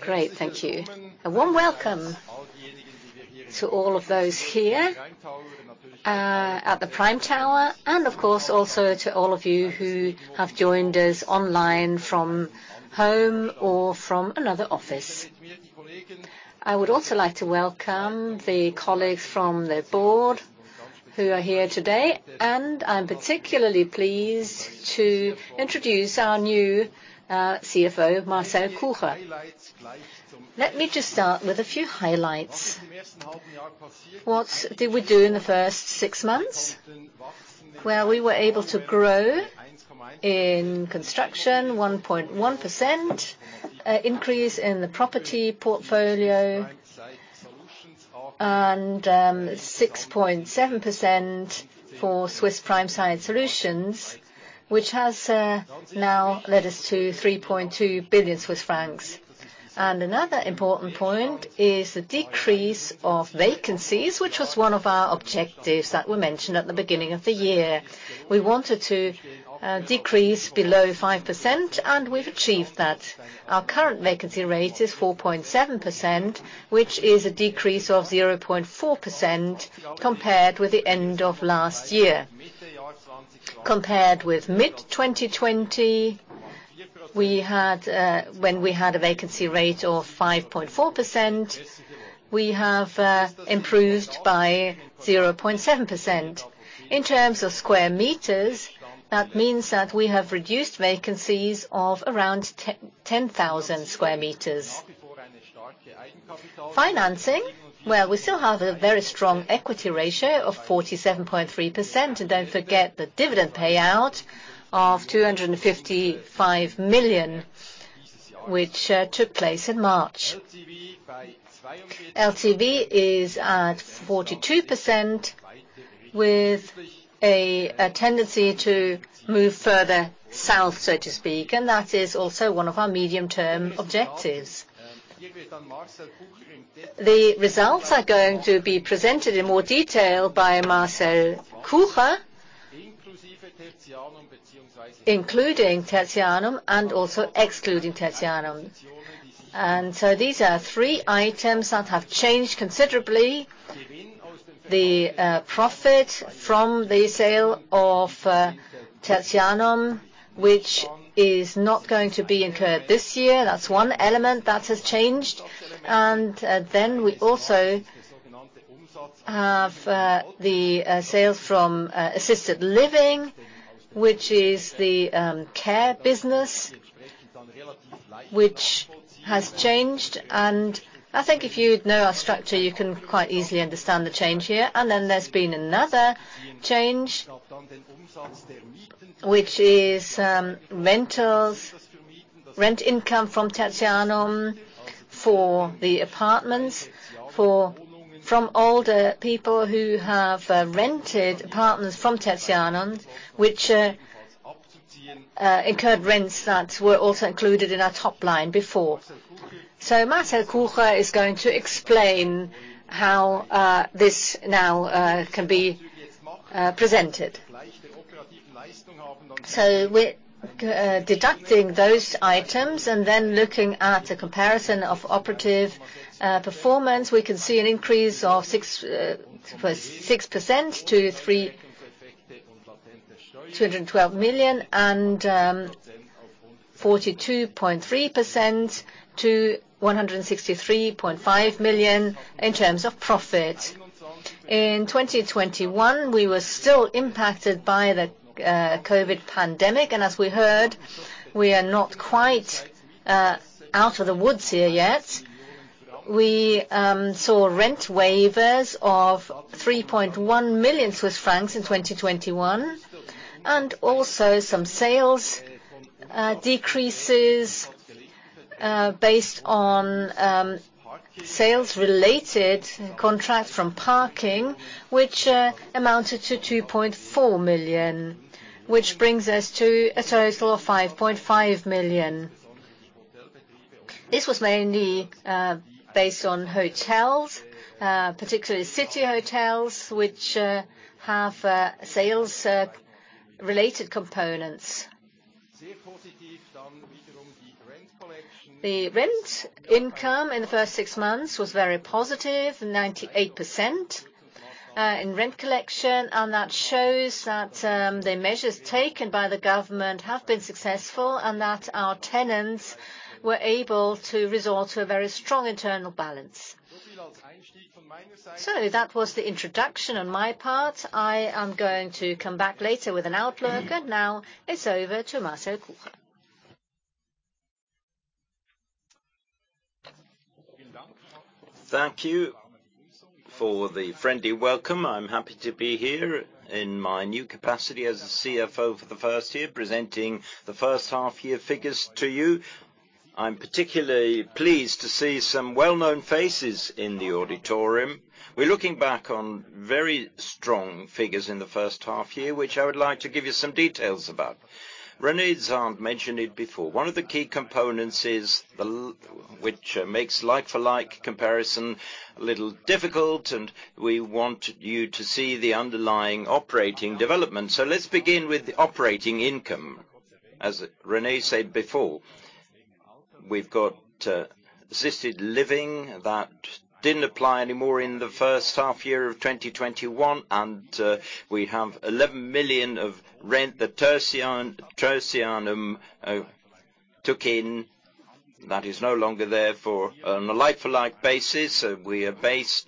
Great. Thank you. A warm welcome to all of those here at the Prime Tower, and of course, also to all of you who have joined us online from home or from another office. I would also like to welcome the colleagues from the board who are here today, and I'm particularly pleased to introduce our new CFO, Marcel Kucher. Let me just start with a few highlights. What did we do in the first six months? Well, we were able to grow in construction 1.1%, increase in the property portfolio, and 6.7% for Swiss Prime Site Solutions, which has now led us to 3.2 billion Swiss francs. Another important point is the decrease of vacancies, which was one of our objectives that were mentioned at the beginning of the year. We wanted to decrease below 5%, and we've achieved that. Our current vacancy rate is 4.7%, which is a decrease of 0.4% compared with the end of last year. Compared with mid-2020, when we had a vacancy rate of 5.4%, we have improved by 0.7%. In terms of sq m, that means that we have reduced vacancies of around 10,000 sq m. Financing. We still have a very strong equity ratio of 47.3%, and don't forget the dividend payout of 255 million, which took place in March. LTV is at 42% with a tendency to move further south, so to speak, and that is also one of our medium-term objectives. The results are going to be presented in more detail by Marcel Kucher, including Tertianum and also excluding Tertianum. These are three items that have changed considerably. The profit from the sale of Tertianum, which is not going to be incurred this year. That's one element that has changed. We also have the sales from assisted living, which is the care business, which has changed. I think if you know our structure, you can quite easily understand the change here. There's been another change, which is rent income from Tertianum for the apartments from older people who have rented apartments from Tertianum, which incurred rents that were also included in our top line before. Marcel Kucher is going to explain how this now can be presented. We're deducting those items and then looking at a comparison of operative performance. We can see an increase of 6% to 212 million and 42.3% to 163.5 million in terms of profit. In 2021, we were still impacted by the COVID pandemic, as we heard, we are not quite out of the woods here yet. We saw rent waivers of 3.1 million Swiss francs in 2021. Also some sales decreases based on sales-related contracts from parking, which amounted to 2.4 million, which brings us to a total of 5.5 million. This was mainly based on hotels, particularly city hotels, which have sales-related components. The rent income in the first 6 months was very positive, 98% in rent collection, that shows that the measures taken by the government have been successful and that our tenants were able to resort to a very strong internal balance. That was the introduction on my part. I am going to come back later with an outlook. Now it's over to Marcel Kucher. Thank you for the friendly welcome. I'm happy to be here in my new capacity as the CFO for the first year, presenting the first half-year figures to you. I'm particularly pleased to see some well-known faces in the auditorium. We're looking back on very strong figures in the first half-year, which I would like to give you some details about. René Zahnd mentioned it before. One of the key components is the which makes like-for-like comparison a little difficult, and we want you to see the underlying operating development. Let's begin with the operating income. As René said before, we've got assisted living that didn't apply anymore in the first half-year of 2021, and we have 11 million of rent that Tertianum took in. That is no longer there on a like-for-like basis, we are based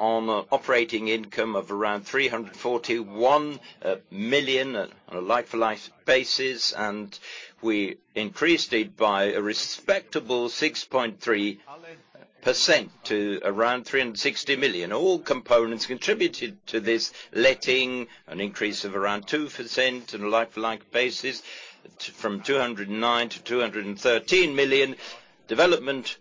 on operating income of around 341 million on a like-for-like basis, and we increased it by a respectable 6.3% to around 360 million. All components contributed to this letting, an increase of around 2% on a like-for-like basis from 209 to 213 million. Development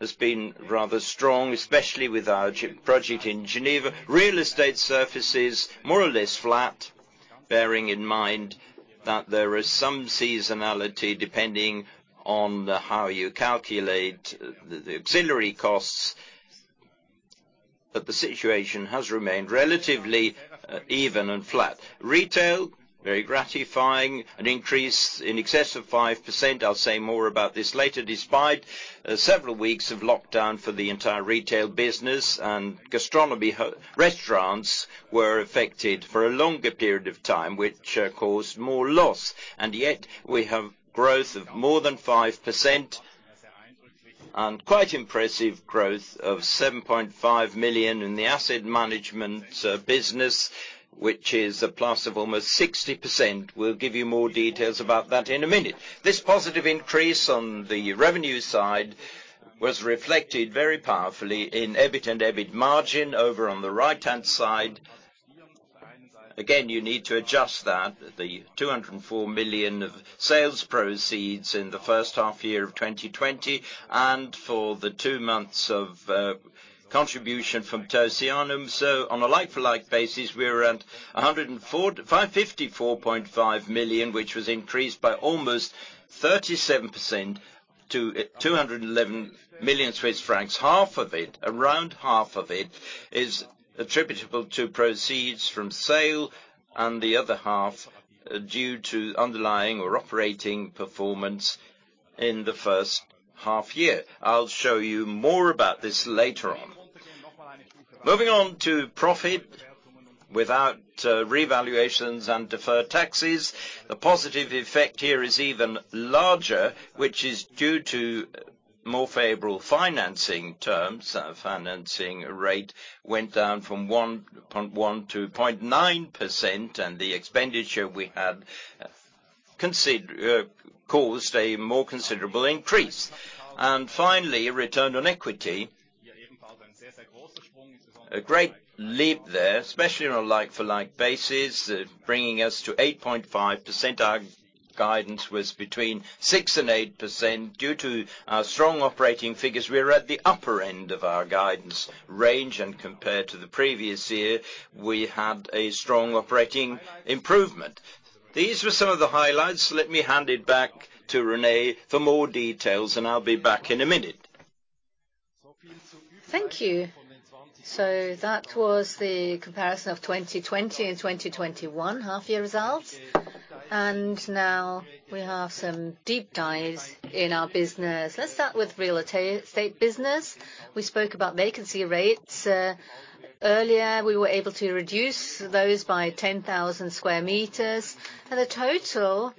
has been rather strong, especially with our project in Geneva. Real estate surface is more or less flat, bearing in mind that there is some seasonality depending on how you calculate the auxiliary costs. The situation has remained relatively even and flat. Retail, very gratifying, an increase in excess of 5%. I'll say more about this later. Despite several weeks of lockdown for the entire retail business and gastronomy restaurants were affected for a longer period of time, which caused more loss. Yet, we have growth of more than 5%. Quite impressive growth of 7.5 million in the asset management business, which is a plus of almost 60%. We'll give you more details about that in a minute. This positive increase on the revenue side was reflected very powerfully in EBIT and EBIT margin over on the right-hand side. Again, you need to adjust that. The 204 million of sales proceeds in the first half year of 2020 and for the two months of contribution from Tertianum. On a like-for-like basis, we're around 154.5 million, which was increased by almost 37% to 211 million Swiss francs. Around half of it is attributable to proceeds from sale, and the other half due to underlying or operating performance in the first half year. I'll show you more about this later on. Moving on to profit without revaluations and deferred taxes. The positive effect here is even larger, which is due to more favorable financing terms. The financing rate went down from 1.1% to 0.9%, the expenditure we had caused a more considerable increase. Finally, return on equity. A great leap there, especially on a like-for-like basis, bringing us to 8.5%. Our guidance was between 6% and 8%. Due to our strong operating figures, we are at the upper end of our guidance range. Compared to the previous year, we had a strong operating improvement. These were some of the highlights. Let me hand it back to René for more details, I'll be back in a minute. Thank you. That was the comparison of 2020 and 2021 half year results. Now we have some deep dives in our business. Let's start with real estate business. We spoke about vacancy rates. Earlier, we were able to reduce those by 10,000 square meters. The total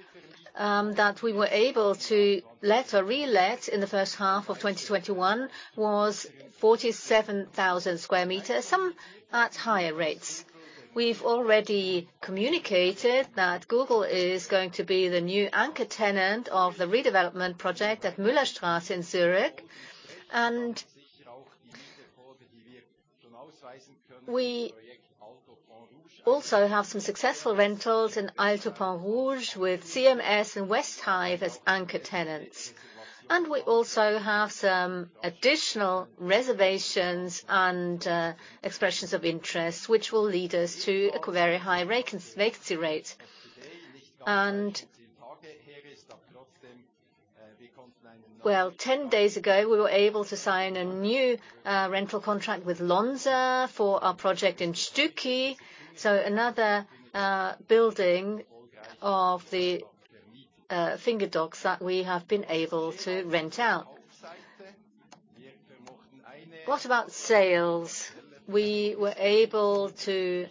that we were able to let or relet in the first half of 2021 was 47,000 square meters, some at higher rates. We've already communicated that Google is going to be the new anchor tenant of the redevelopment project at Müllerstrasse in Zurich. We also have some successful rentals in Alto Pont-Rouge with CMS and Westhive as anchor tenants. We also have some additional reservations and expressions of interest, which will lead us to a very high vacancy rate. Well, 10 days ago, we were able to sign a new rental contract with Lonza for our project in Stücki Park. Another building of the Finger Docks that we have been able to rent out. What about sales? We were able to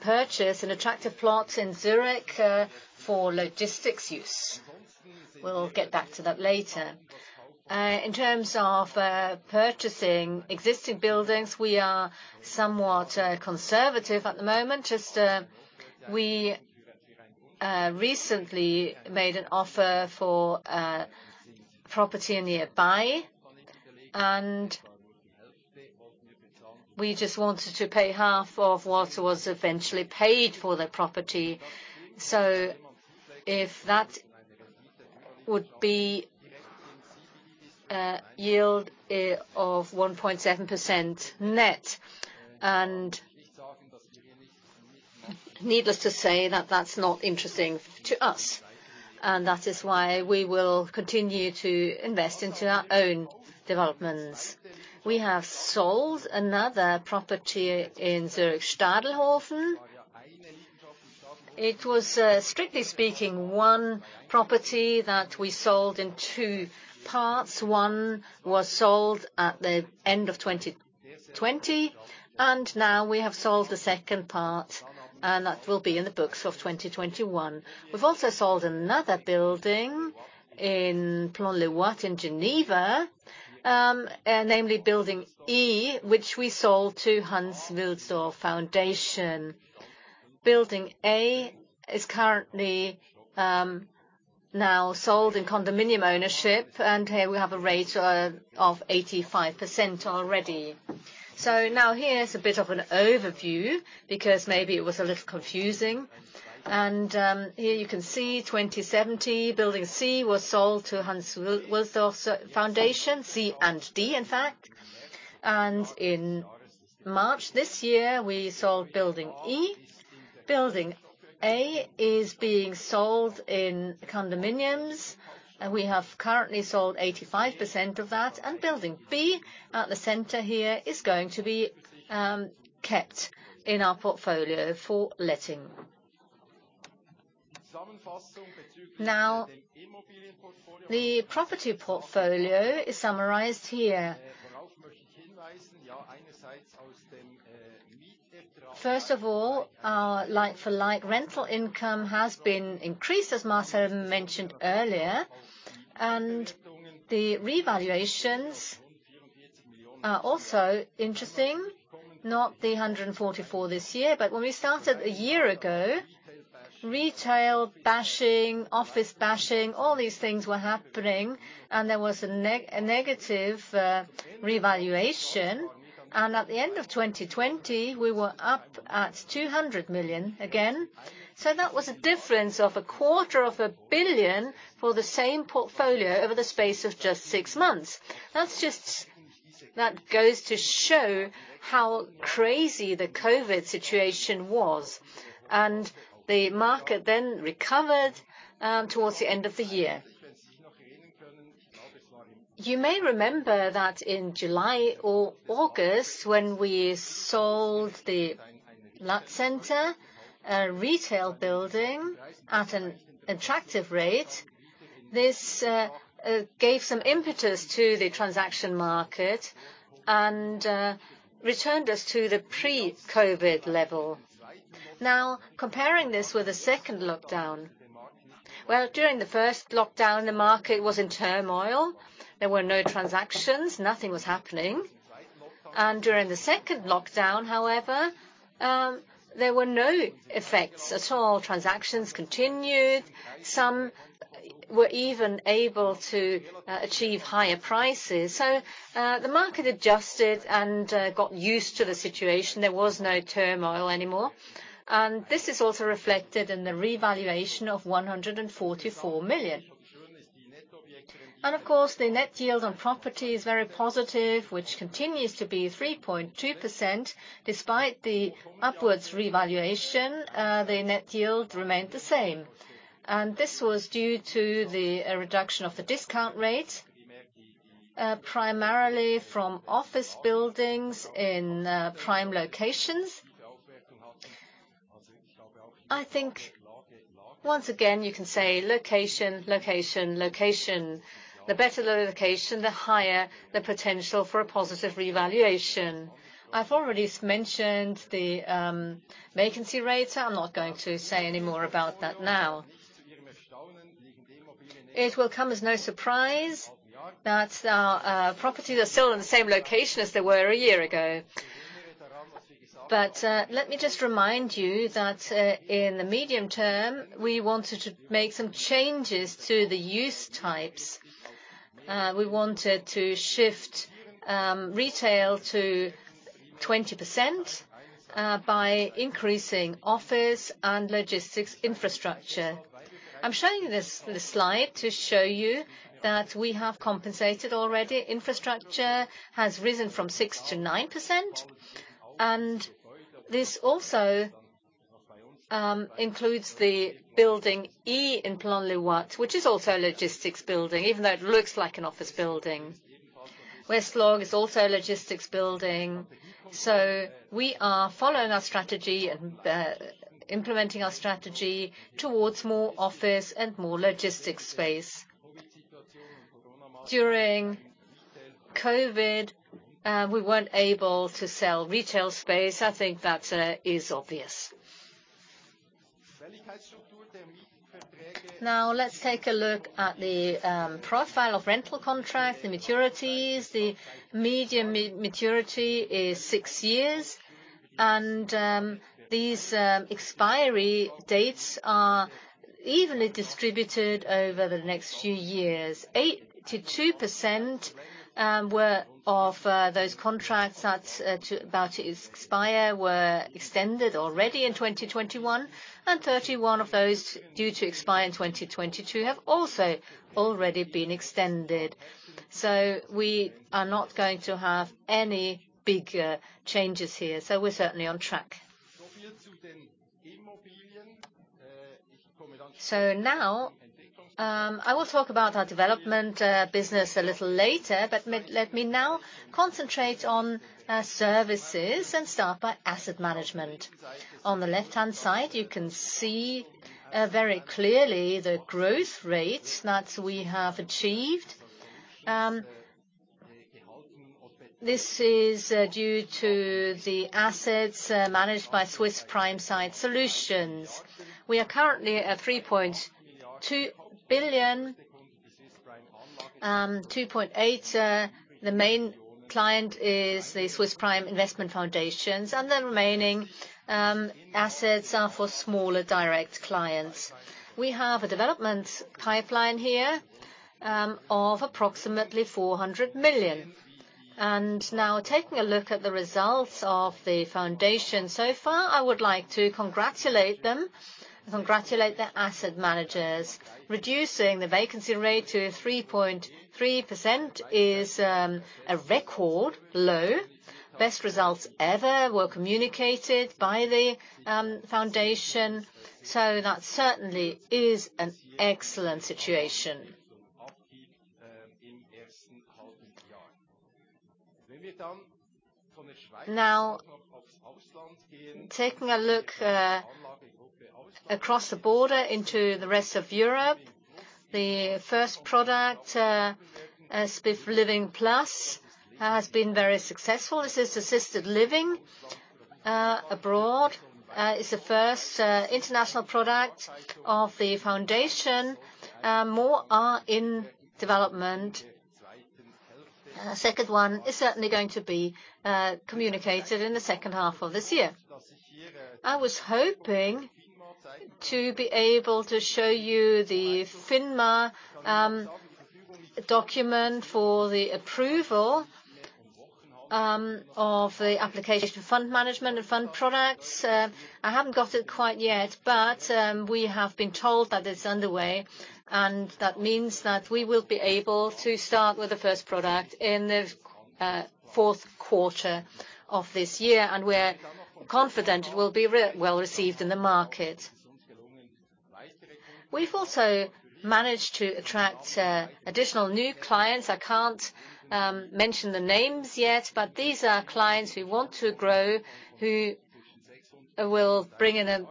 purchase an attractive plot in Zurich for logistics use. We'll get back to that later. In terms of purchasing existing buildings, we are somewhat conservative at the moment. We recently made an offer for a property nearby, and we just wanted to pay half of what was eventually paid for the property. If that would be a yield of 1.7% net. Needless to say that that's not interesting to us. That is why we will continue to invest into our own developments. We have sold another property in Zurich, Stadelhofen. It was strictly speaking, one property that we sold in two parts. One was sold at the end of 2020. Now we have sold the second part, that will be in the books of 2021. We've also sold another building in Plan-les-Ouates in Geneva, namely Building E, which we sold to Hans Wilsdorf Foundation. Building A is currently now sold in condominium ownership. Here we have a rate of 85% already. Now here's a bit of an overview because maybe it was a little confusing. Here you can see 2017, Building C was sold to Hans Wilsdorf Foundation, C and D, in fact. In March this year, we sold Building E. Building A is being sold in condominiums. We have currently sold 85% of that. Building B, at the center here, is going to be kept in our portfolio for letting. The property portfolio is summarized here. First of all, our like-for-like rental income has been increased, as Marcel mentioned earlier, and the revaluations are also interesting, not the 144 this year, but when we started a year ago, retail bashing, office bashing, all these things were happening and there was a negative revaluation. At the end of 2020, we were up at 200 million again. That was a difference of a quarter of a billion for the same portfolio over the space of just six months. That goes to show how crazy the COVID situation was, and the market then recovered towards the end of the year. You may remember that in July or August when we sold the Lattcenter, a retail building, at an attractive rate. This gave some impetus to the transaction market and returned us to the pre-COVID level. Now, comparing this with the second lockdown. Well, during the first lockdown, the market was in turmoil. There were no transactions. Nothing was happening. During the second lockdown, however, there were no effects at all. Transactions continued. Some were even able to achieve higher prices. The market adjusted and got used to the situation. There was no turmoil anymore. This is also reflected in the revaluation of 144 million. Of course, the net yield on property is very positive, which continues to be 3.2%. Despite the upwards revaluation, the net yield remained the same. This was due to the reduction of the discount rate, primarily from office buildings in prime locations. I think once again you can say location, location. The better the location, the higher the potential for a positive revaluation. I've already mentioned the vacancy rates. I'm not going to say any more about that now. It will come as no surprise that our properties are still in the same location as they were a year ago. Let me just remind you that in the medium term, we wanted to make some changes to the use types. We wanted to shift retail to 20% by increasing office and logistics infrastructure. I'm showing you this slide to show you that we have compensated already. Infrastructure has risen from 6%-9%, and this also includes the Building E in Plan-les-Ouates, which is also a logistics building, even though it looks like an office building. West-Log is also a logistics building. We are following our strategy and implementing our strategy towards more office and more logistics space. During COVID, we weren't able to sell retail space. I think that is obvious. Let's take a look at the profile of rental contracts, the maturities. The median maturity is six years. These expiry dates are evenly distributed over the next few years. 82% of those contracts that are about to expire were extended already in 2021. 31 of those due to expire in 2022 have also already been extended. We are not going to have any big changes here, so we're certainly on track. Now, I will talk about our development business a little later, but let me now concentrate on services and start by asset management. On the left-hand side, you can see very clearly the growth rate that we have achieved. This is due to the assets managed by Swiss Prime Site Solutions. We are currently at 3.2 billion, 2.8. The main client is the Swiss Prime Investment Foundation. The remaining assets are for smaller direct clients. We have a development pipeline here of approximately 400 million. Now taking a look at the results of the foundation so far, I would like to congratulate them, congratulate their asset managers. Reducing the vacancy rate to 3.3% is a record low. That certainly is an excellent situation. Taking a look across the border into the rest of Europe, the first product, SPIF Living+, has been very successful. This is assisted living abroad. It's the first international product of the foundation. More are in development. Second one is certainly going to be communicated in the second half of this year. I was hoping to be able to show you the FINMA document for the approval of the application fund management and fund products. I haven't got it quite yet, but we have been told that it's underway, and that means that we will be able to start with the first product in the fourth quarter of this year, and we're confident it will be well-received in the market. We've also managed to attract additional new clients. I can't mention the names yet, but these are clients we want to grow who will bring in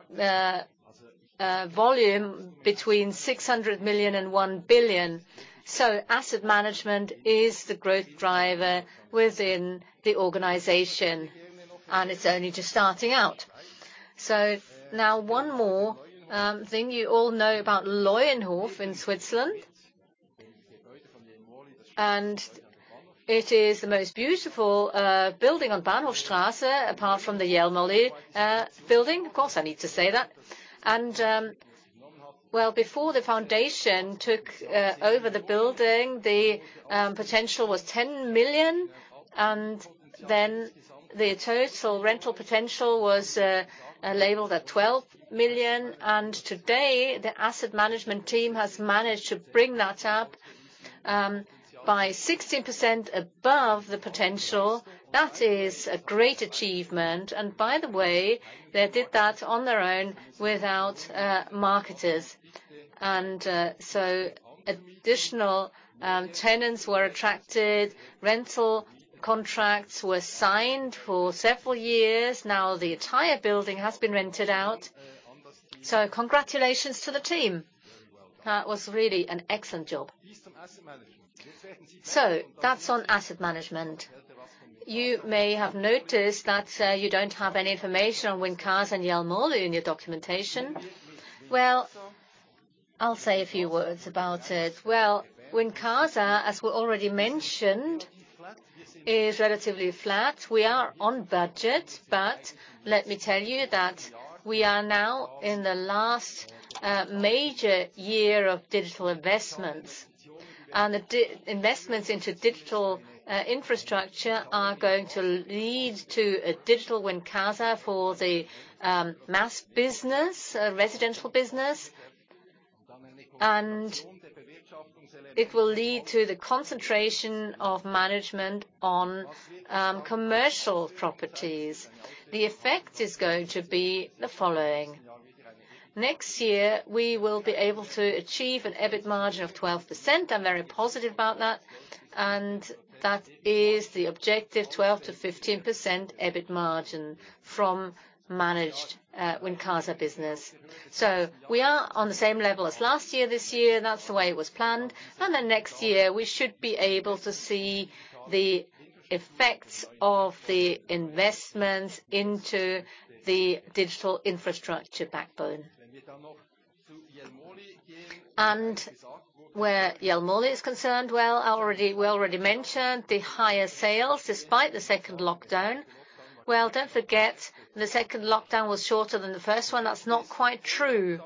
a volume between 600 million and 1 billion. Asset management is the growth driver within the organization, and it's only just starting out. Now one more thing you all know about Löwenhof in Switzerland. It is the most beautiful building on Bahnhofstrasse, apart from the Jelmoli building. Of course, I need to say that. Well, before the foundation took over the building, the potential was 10 million, then the total rental potential was labeled at 12 million. Today, the asset management team has managed to bring that up by 16% above the potential. That is a great achievement. By the way, they did that on their own without marketers. Additional tenants were attracted, rental contracts were signed for several years. Now the entire building has been rented out. Congratulations to the team. That was really an excellent job. That's on asset management. You may have noticed that you don't have any information on Wincasa and Jelmoli in your documentation. Well, I'll say a few words about it. Well, Wincasa, as we already mentioned, is relatively flat. We are on budget. Let me tell you that we are now in the last major year of digital investments. The investments into digital infrastructure are going to lead to a digital Wincasa for the mass business, residential business. It will lead to the concentration of management on commercial properties. The effect is going to be the following. Next year, we will be able to achieve an EBIT margin of 12%. I'm very positive about that. That is the objective 12%-15% EBIT margin from managed Wincasa business. We are on the same level as last year, this year, that's the way it was planned. Next year, we should be able to see the effects of the investments into the digital infrastructure backbone. Where Jelmoli is concerned, well, we already mentioned the higher sales despite the second lockdown. Well, don't forget, the second lockdown was shorter than the first one. That's not quite true.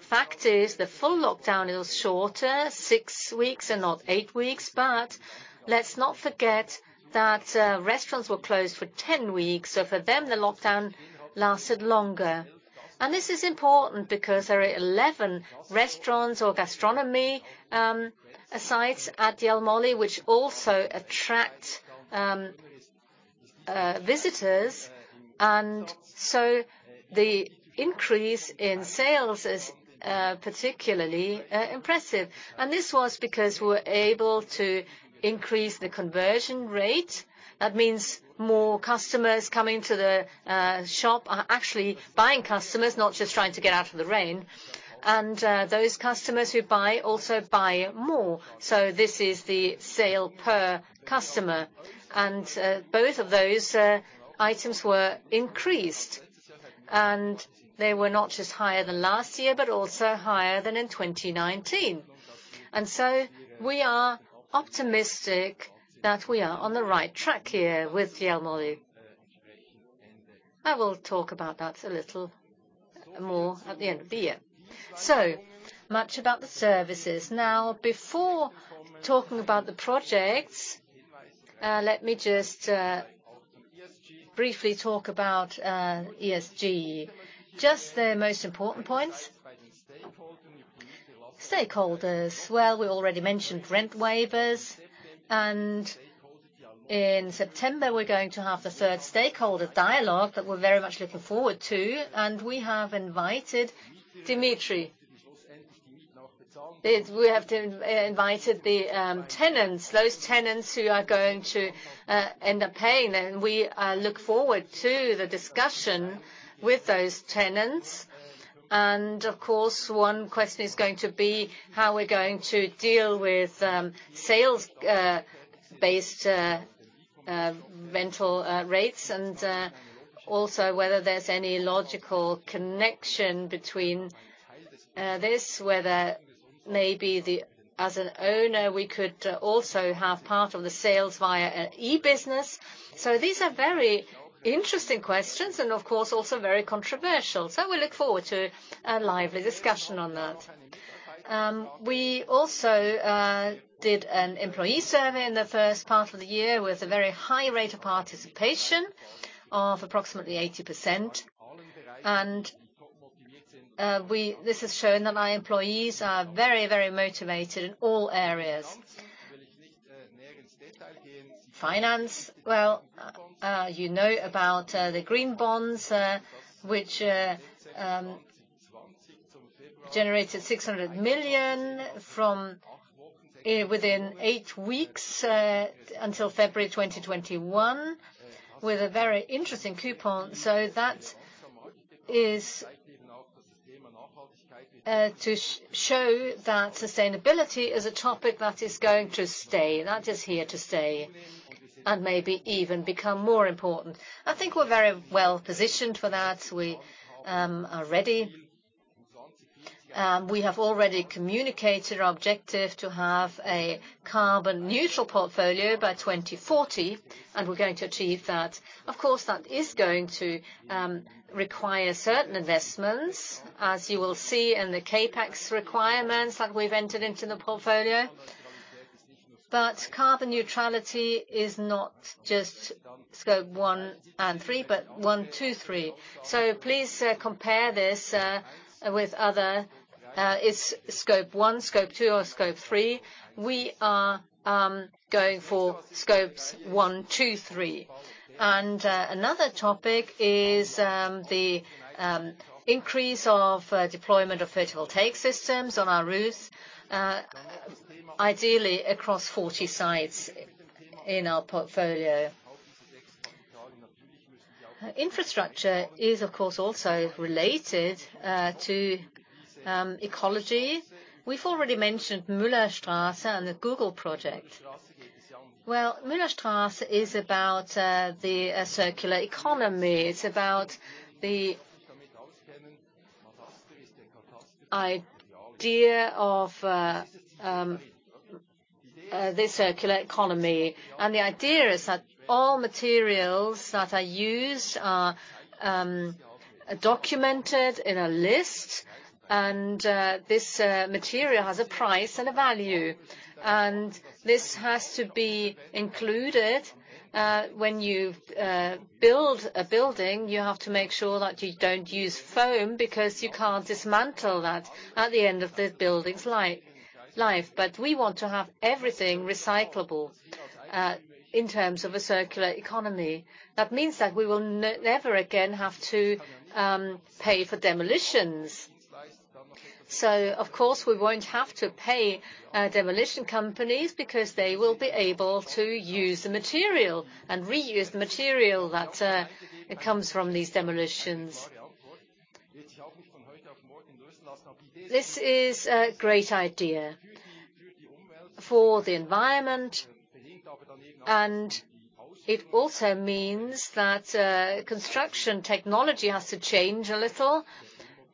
Fact is, the full lockdown is shorter, six weeks and not eight weeks. Let's not forget that restaurants were closed for 10 weeks, so for them, the lockdown lasted longer. This is important because there are 11 restaurants or gastronomy sites at Jelmoli, which also attract visitors. The increase in sales is particularly impressive. This was because we were able to increase the conversion rate. That means more customers coming to the shop are actually buying customers, not just trying to get out of the rain. Those customers who buy also buy more. This is the sale per customer. Both of those items were increased. They were not just higher than last year, but also higher than in 2019. We are optimistic that we are on the right track here with Jelmoli. I will talk about that a little more at the end of the year. Much about the services. Before talking about the projects, let me just briefly talk about ESG. Just the most important points. Stakeholders. We already mentioned rent waivers, and in September, we're going to have the third stakeholder dialogue that we're very much looking forward to. We have invited Dmitry. We have invited the tenants, those tenants who are going to end up paying, and we look forward to the discussion with those tenants. Of course, one question is going to be how we're going to deal with sales-based rental rates, and also whether there's any logical connection between this, whether maybe as an owner, we could also have part of the sales via an e-business. These are very interesting questions and of course, also very controversial. We look forward to a lively discussion on that. We also did an employee survey in the first part of the year with a very high rate of participation of approximately 80%. This has shown that my employees are very motivated in all areas. Finance. Well, you know about the Green Bonds, which generated 600 million from within eight weeks, until February 2021, with a very interesting coupon. That is to show that sustainability is a topic that is going to stay, that is here to stay, and maybe even become more important. I think we're very well-positioned for that. We are ready. We have already communicated our objective to have a carbon neutral portfolio by 2040, and we're going to achieve that. Of course, that is going to require certain investments, as you will see in the CapEx requirements that we've entered into the portfolio. Carbon neutrality is not just Scope one and, but one, two, three. Please compare this with other, is Scope one, Scope two, or Scope three? We are going for Scopes one, two, three. Another topic is the increase of deployment of photovoltaic systems on our roofs, ideally across 40 sites in our portfolio. Infrastructure is, of course, also related to ecology. We've already mentioned Müllerstraße and the Google project. Well, Müllerstraße is about the circular economy. It's about the idea of the circular economy. The idea is that all materials that are used are documented in a list, and this material has a price and a value. This has to be included when you build a building, you have to make sure that you don't use foam because you can't dismantle that at the end of the building's life. We want to have everything recyclable in terms of a circular economy. That means that we will never again have to pay for demolitions. Of course, we won't have to pay demolition companies because they will be able to use the material and reuse the material that comes from these demolitions. This is a great idea for the environment, and it also means that construction technology has to change a little,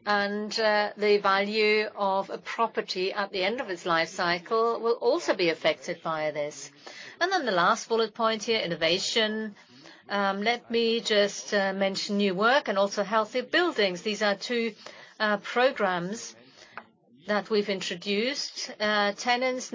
and the value of a property at the end of its life cycle will also be affected by this. Then the last bullet point here, innovation. Let me just mention new work and also healthy buildings. These are two programs that we've introduced. Tenants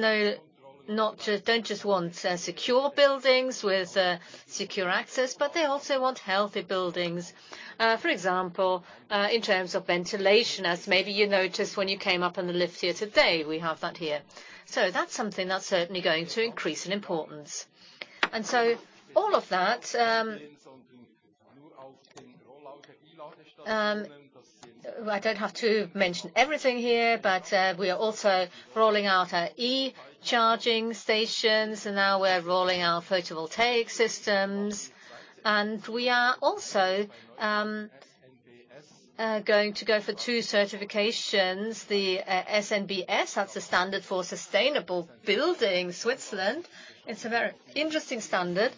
don't just want secure buildings with secure access, but they also want healthy buildings. For example, in terms of ventilation, as maybe you noticed when you came up in the lift here today, we have that here. That's something that's certainly going to increase in importance. All of that, I don't have to mention everything here, but we are also rolling out our e-charging stations, and now we're rolling out photovoltaic systems. We are also going to go for two certifications, the SNBS, that's the standard for sustainable building Switzerland. It's a very interesting standard.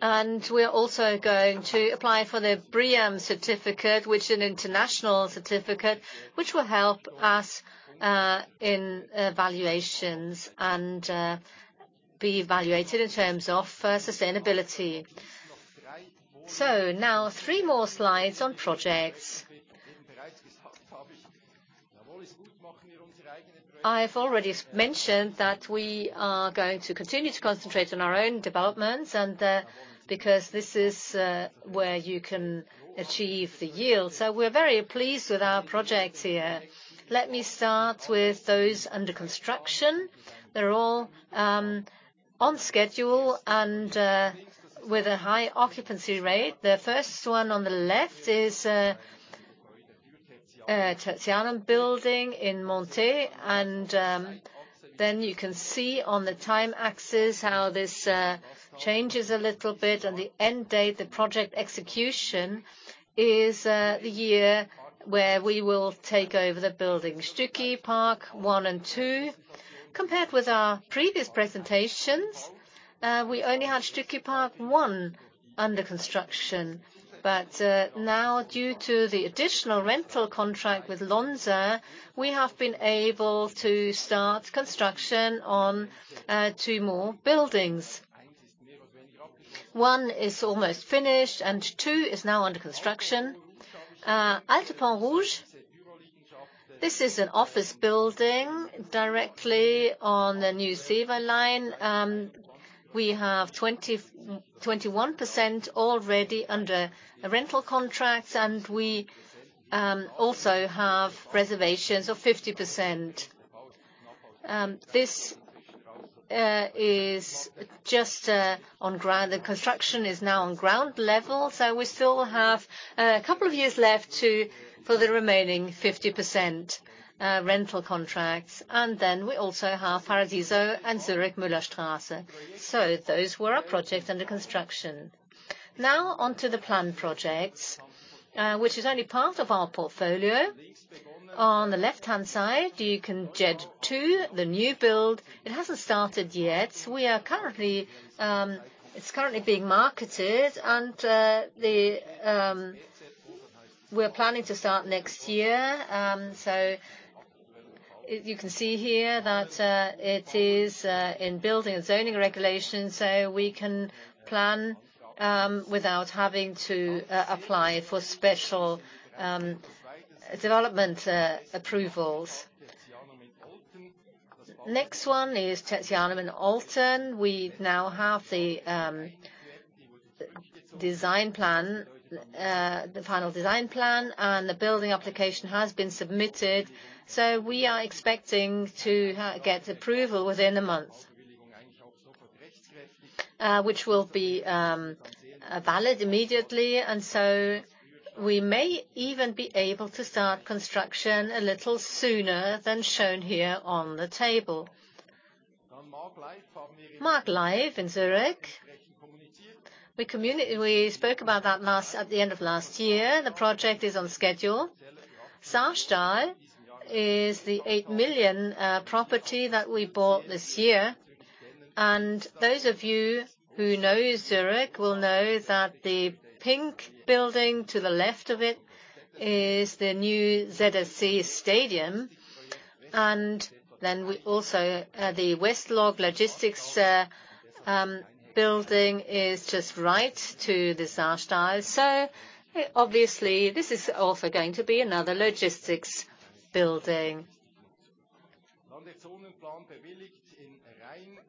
We are also going to apply for the BREEAM certificate, which an international certificate, which will help us in evaluations and be evaluated in terms of sustainability. Now three more slides on projects. I've already mentioned that we are going to continue to concentrate on our own developments, because this is where you can achieve the yield. We're very pleased with our projects here. Let me start with those under construction. They're all on schedule and with a high occupancy rate. The 1st one on the left is Tertianum building in Montet. Then you can see on the time axis how this changes a little bit. The end date, the project execution is the year where we will take over the building. Stücki Park one and two, compared with our previous presentations, we only had Stücki Park one under construction. Now due to the additional rental contract with Lonza, we have been able to start construction on two more buildings. one is almost finished, and two is now under construction. Alto Pont-Rouge, this is an office building directly on the new CEVA line. We have 21% already under a rental contract, we also have reservations of 50%. This is just on ground, the construction is now on ground level, so we still have a couple of years left for the remaining 50% rental contracts. Then we also have Paradiso and Zurich Mullerstrasse. Those were our projects under construction. Now on to the planned projects, which is only part of our portfolio. On the left-hand side, you can see JED, the new build, it hasn't started yet. It's currently being marketed, and we're planning to start next year. You can see here that it is in building and zoning regulation, so we can plan without having to apply for special development approvals. Next one is Tertianum in Olten. We now have the final design plan, and the building application has been submitted. We are expecting to get approval within a month which will be valid immediately, and so we may even be able to start construction a little sooner than shown here on the table. Maaglive in Zurich, we spoke about that at the end of last year. The project is on schedule. Sarsteil is the 8 million property that we bought this year. Those of you who know Zurich will know that the pink building to the left of it is the new ZSC stadium. Also the West-Log logistics building is just right to the Sarsteil. Obviously this is also going to be another logistics building.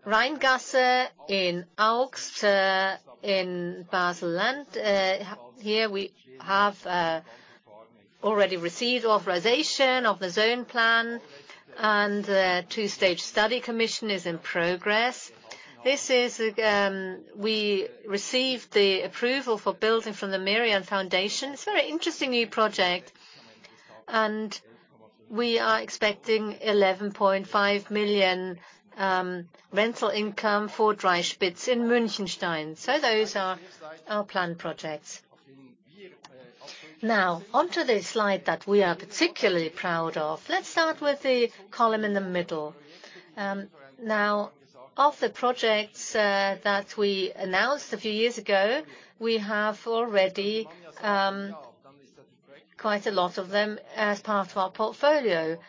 Rheingasse in Augst in Baselland. Here we have already received authorization of the zone plan, and the two-stage study commission is in progress. We received the approval for building from the Christoph Merian Stiftung. It's a very interesting new project, we are expecting 11.5 million rental income for Dreispitz in Münchenstein. Those are our planned projects. Onto the slide that we are particularly proud of. Let's start with the column in the middle. Of the projects that we announced a few years ago, we have already quite a lot of them as part of our portfolio.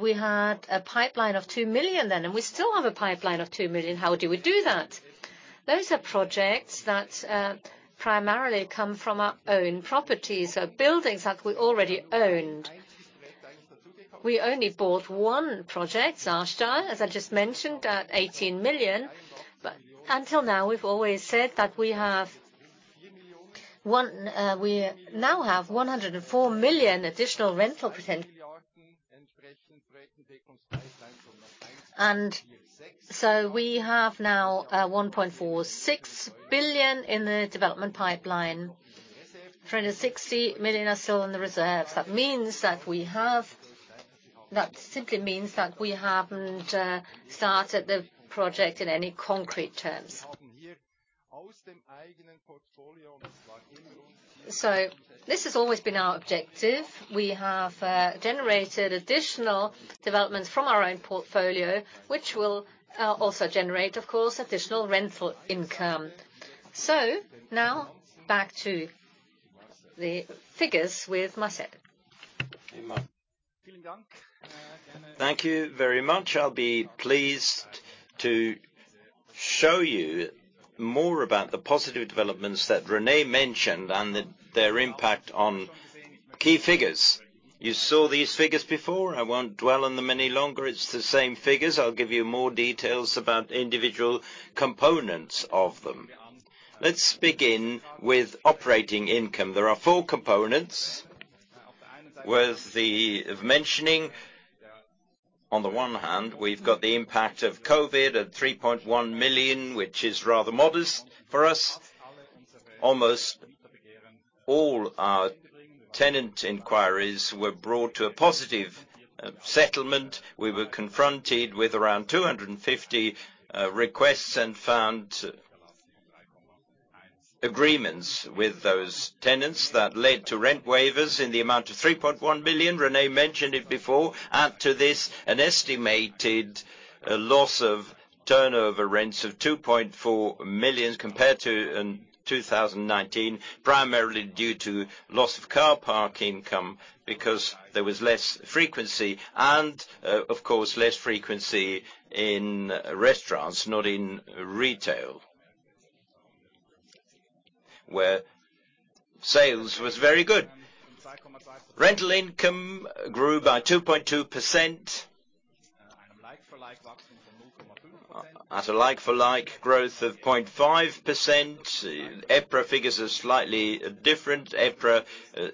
We had a pipeline of 2 million then, and we still have a pipeline of 2 million. How do we do that? Those are projects that primarily come from our own properties, so buildings that we already owned. We only bought 1 project, Saarstahl, as I just mentioned, at 18 million. Until now, we've always said that we now have 104 million additional rental potential. We have now 1.46 billion in the development pipeline. 360 million are still in the reserves. That simply means that we haven't started the project in any concrete terms. This has always been our objective. We have generated additional developments from our own portfolio, which will also generate, of course, additional rental income. Now back to the figures with Marcel. Thank you very much. I'll be pleased to show you more about the positive developments that René mentioned and their impact on key figures. You saw these figures before. I won't dwell on them any longer. It's the same figures. I'll give you more details about individual components of them. Let's begin with operating income. There are four components worth mentioning. On the one hand, we've got the impact of COVID at 3.1 million, which is rather modest for us. Almost all our tenant inquiries were brought to a positive settlement. We were confronted with around 250 requests and found agreements with those tenants that led to rent waivers in the amount of 3.1 billion. René mentioned it before. Add to this, an estimated loss of turnover rents of 2.4 million compared to 2019, primarily due to loss of car park income, because there was less frequency and, of course, less frequency in restaurants, not in retail, where sales was very good. Rental income grew by 2.2%, at a like-for-like growth of 0.5%. EPRA figures are slightly different. EPRA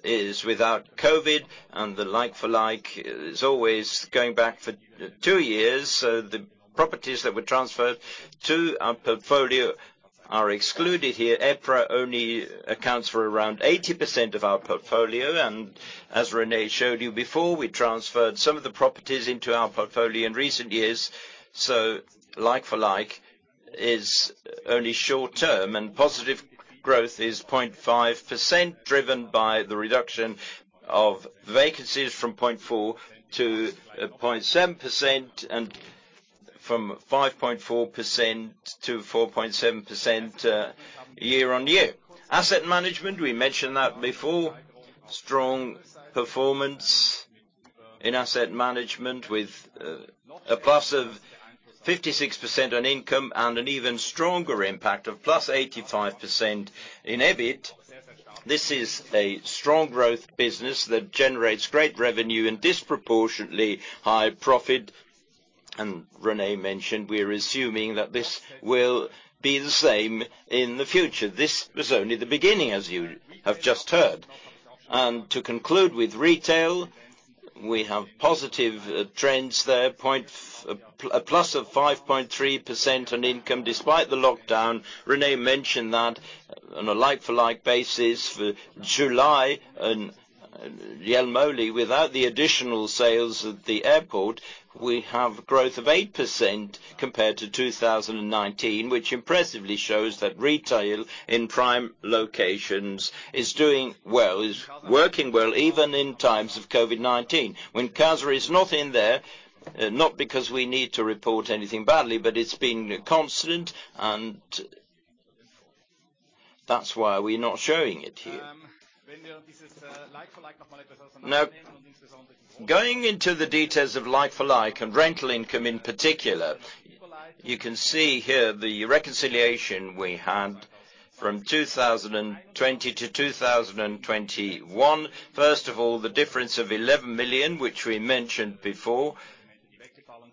is without COVID and the like-for-like is always going back for two years. The properties that were transferred to our portfolio are excluded here. EPRA only accounts for around 80% of our portfolio. As René showed you before, we transferred some of the properties into our portfolio in recent years. Like-for-like is only short term, and positive growth is 0.5%, driven by the reduction of vacancies from 0.4%-0.7%, and from 5.4%-4.7% year-on-year. Asset management, we mentioned that before. Strong performance in asset management with a plus of 56% on income and an even stronger impact of plus 85% in EBIT. This is a strong growth business that generates great revenue and disproportionately high profit. René mentioned, we are assuming that this will be the same in the future. This was only the beginning, as you have just heard. To conclude with retail, we have positive trends there, a plus of 5.3% on income despite the lockdown. René mentioned that on a like-for-like basis for July and Jelmoli, without the additional sales at the airport, we have growth of 8% compared to 2019, which impressively shows that retail in prime locations is doing well, is working well even in times of COVID-19. When Kauser is not in there, not because we need to report anything badly, but it's been constant, and that's why we're not showing it here. Going into the details of like-for-like and rental income in particular, you can see here the reconciliation we had from 2020 to 2021. First of all, the difference of 11 million, which we mentioned before.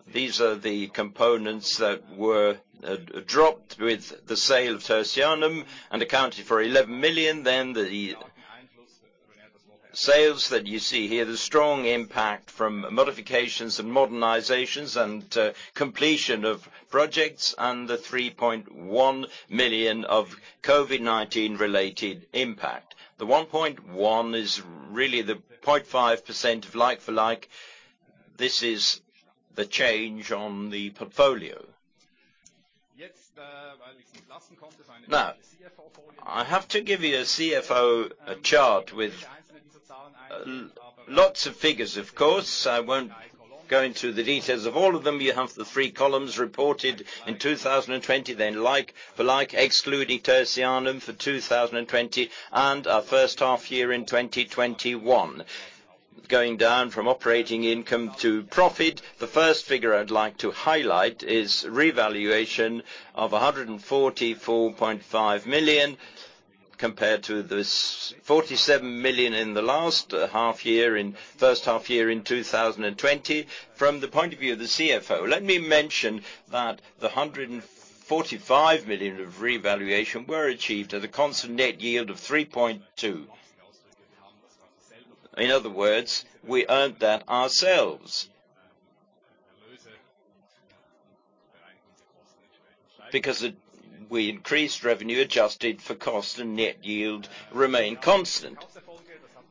These are the components that were dropped with the sale of Tertianum and accounted for 11 million. The sales that you see here, the strong impact from modifications and modernizations and completion of projects, and the 3.1 million of COVID-19 related impact. The 1.1 is really the 0.5% of like-for-like. This is the change on the portfolio. Now, I have to give you a CFO chart with lots of figures, of course. I won't go into the details of all of them. You have the three columns reported in 2020, then like-for-like, excluding Tertianum for 2020, and our first half year in 2021. Going down from operating income to profit. The first figure I'd like to highlight is revaluation of 144.5 million compared to the 47 million in the last first half year in 2020. From the point of view of the CFO, let me mention that the 145 million of revaluation were achieved at a constant net yield of 3.2%. In other words, we earned that ourselves. We increased revenue adjusted for cost and net yield remained constant.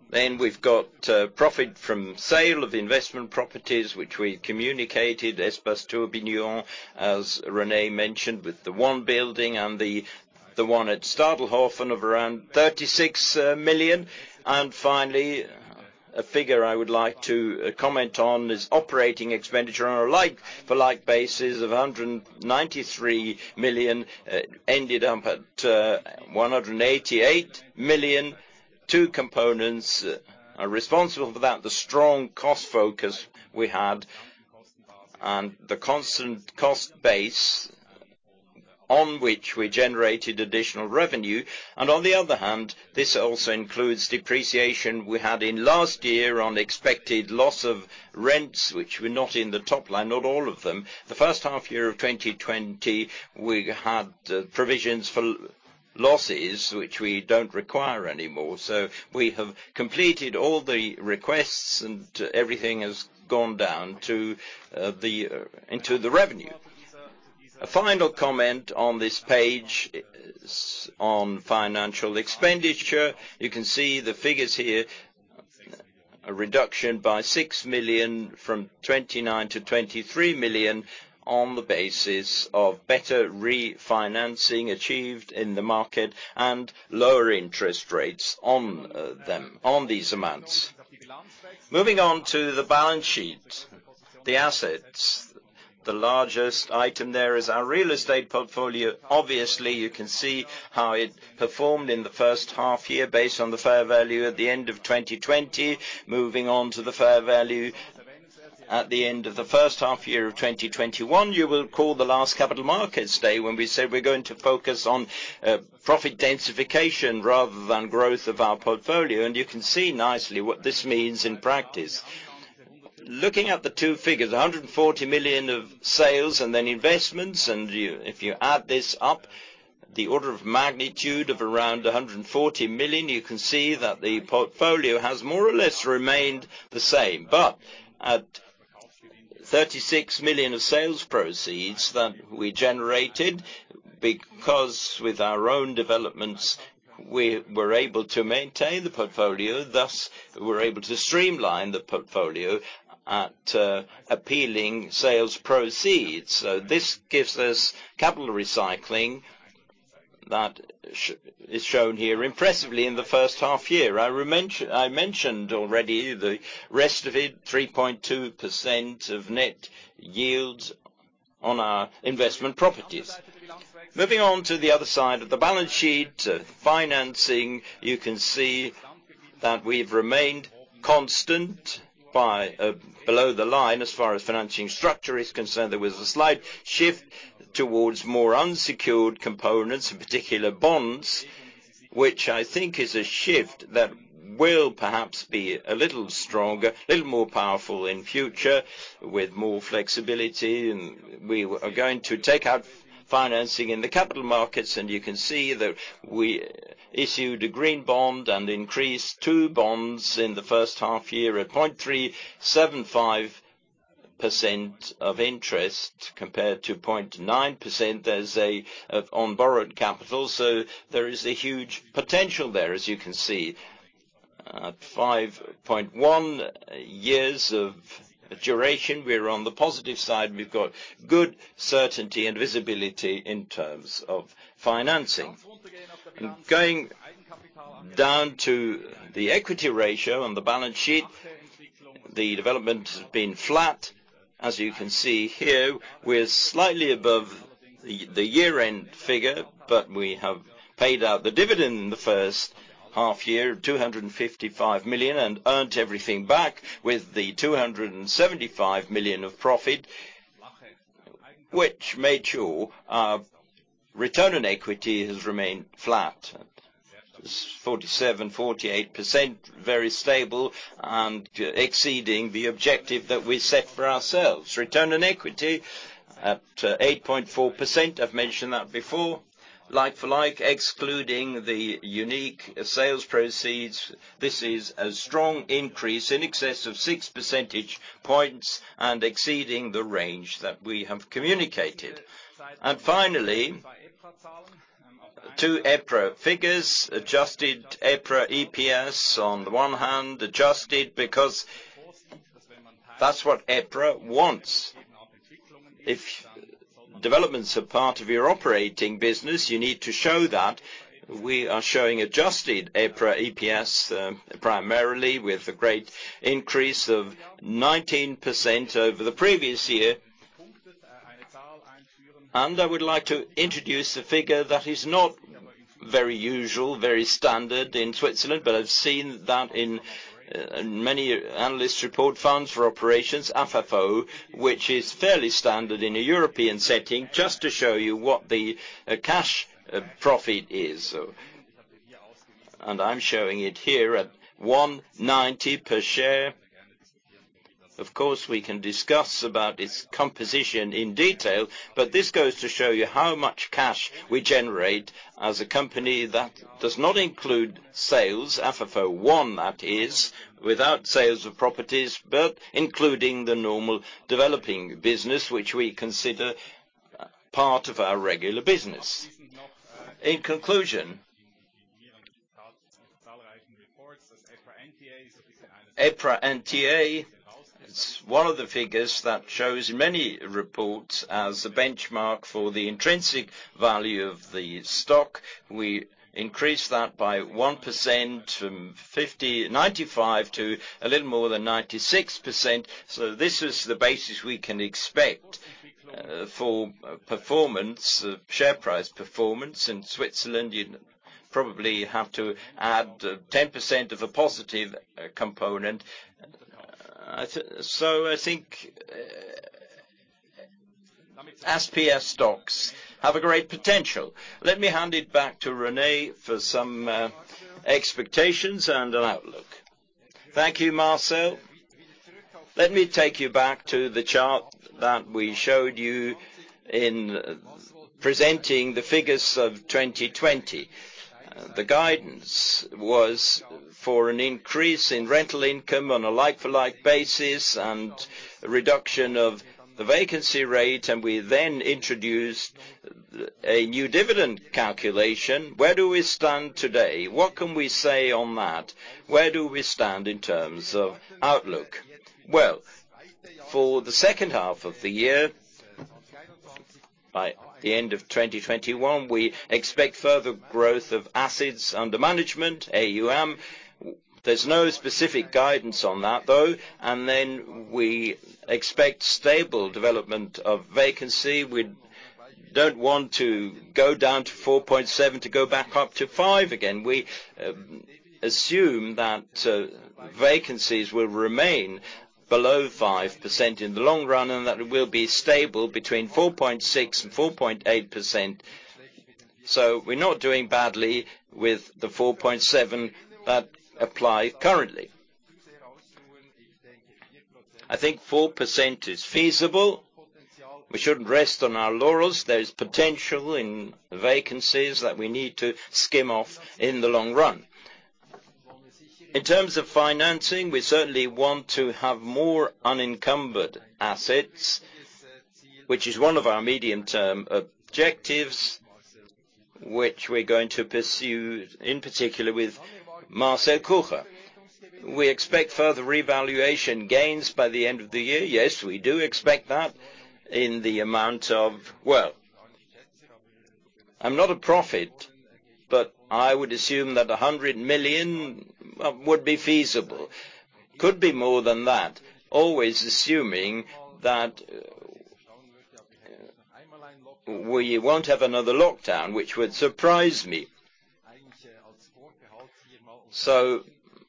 We've got profit from sale of investment properties, which we communicated, Espace Tourbillon, as René mentioned, with the one building and the one at Stadelhofen of around 36 million. Finally, a figure I would like to comment on is operating expenditure on a like-for-like basis of 193 million, ended up at 188 million. Two components are responsible for that, the strong cost focus we had and the constant cost base on which we generated additional revenue. On the other hand, this also includes depreciation we had in last year on expected loss of rents, which were not in the top line, not all of them. The first half year of 2020, we had provisions for losses, which we don't require anymore. We have completed all the requests, and everything has gone down into the revenue. A final comment on this page on financial expenditure. You can see the figures here, a reduction by 6 million from 29 million to 23 million on the basis of better refinancing achieved in the market and lower interest rates on these amounts. Moving on to the balance sheet. The assets. The largest item there is our real estate portfolio. Obviously, you can see how it performed in the first half year based on the fair value at the end of 2020. Moving on to the fair value at the end of the first half year of 2021. You will recall the last Capital Markets Day when we said we're going to focus on profit densification rather than growth of our portfolio, and you can see nicely what this means in practice. Looking at the two figures, 140 million of sales and then investments, and if you add this up, the order of magnitude of around 140 million, you can see that the portfolio has more or less remained the same. At 36 million of sales proceeds that we generated because with our own developments, we were able to maintain the portfolio, thus we were able to streamline the portfolio at appealing sales proceeds. This gives us capital recycling that is shown here impressively in the first half year. I mentioned already the rest of it, 3.2% of net yields on our investment properties. Moving on to the other side of the balance sheet, financing. You can see that we've remained constant below the line as far as financing structure is concerned. There was a slight shift towards more unsecured components, in particular bonds, which I think is a shift that will perhaps be a little stronger, a little more powerful in future with more flexibility. We are going to take out financing in the capital markets. You can see that we issued a Green Bond and increased two bonds in the first half year at 0.375% of interest compared to 0.9% on borrowed capital. There is a huge potential there, as you can see. At 5.1 years of duration, we're on the positive side. We've got good certainty and visibility in terms of financing. Going down to the equity ratio on the balance sheet. The development has been flat. As you can see here, we're slightly above the year-end figure, but we have paid out the dividend in the first half-year of 255 million and earned everything back with the 275 million of profit, which made sure our return on equity has remained flat. 47%, 48%, very stable and exceeding the objective that we set for ourselves. Return on equity at 8.4%, I've mentioned that before. Like-for-like, excluding the unique sales proceeds, this is a strong increase in excess of six percentage points and exceeding the range that we have communicated. Finally, 2 EPRA figures, adjusted EPRA EPS on the one hand. Adjusted because that's what EPRA wants. If developments are part of your operating business, you need to show that. We are showing adjusted EPRA EPS primarily with a great increase of 19% over the previous year. I would like to introduce a figure that is not very usual, very standard in Switzerland, but I've seen that in many analyst report funds for operations, FFO, which is fairly standard in a European setting, just to show you what the cash profit is. I'm showing it here at 190 per share. Of course, we can discuss about its composition in detail, but this goes to show you how much cash we generate as a company that does not include sales, FFO I that is, without sales of properties, but including the normal developing business, which we consider part of our regular business. In conclusion, EPRA NTA is one of the figures that shows many reports as a benchmark for the intrinsic value of the stock. We increased that by 1%, from 95% to a little more than 96%. This is the basis we can expect for performance, share price performance. In Switzerland, you'd probably have to add 10% of a positive component. I think SPS stocks have a great potential. Let me hand it back to René for some expectations and an outlook. Thank you, Marcel. Let me take you back to the chart that we showed you in presenting the figures of 2020. The guidance was for an increase in rental income on a like-for-like basis and reduction of the vacancy rate, and we then introduced a new dividend calculation. Where do we stand today? What can we say on that? Where do we stand in terms of outlook? Well, for the second half of the year, by the end of 2021, we expect further growth of assets under management, AUM. There's no specific guidance on that, though. We expect stable development of vacancy. We don't want to go down to 4.7% to go back up to 5% again. We assume that vacancies will remain below 5% in the long run, and that will be stable between 4.6% and 4.8%. We're not doing badly with the 4.7% that apply currently. I think 4% is feasible. We shouldn't rest on our laurels. There is potential in vacancies that we need to skim off in the long run. In terms of financing, we certainly want to have more unencumbered assets, which is one of our medium-term objectives, which we're going to pursue, in particular with Marcel Kucher. We expect further revaluation gains by the end of the year. Yes, we do expect that in the amount of, well, I'm not a prophet, but I would assume that 100 million would be feasible. Could be more than that. Always assuming that we won't have another lockdown, which would surprise me.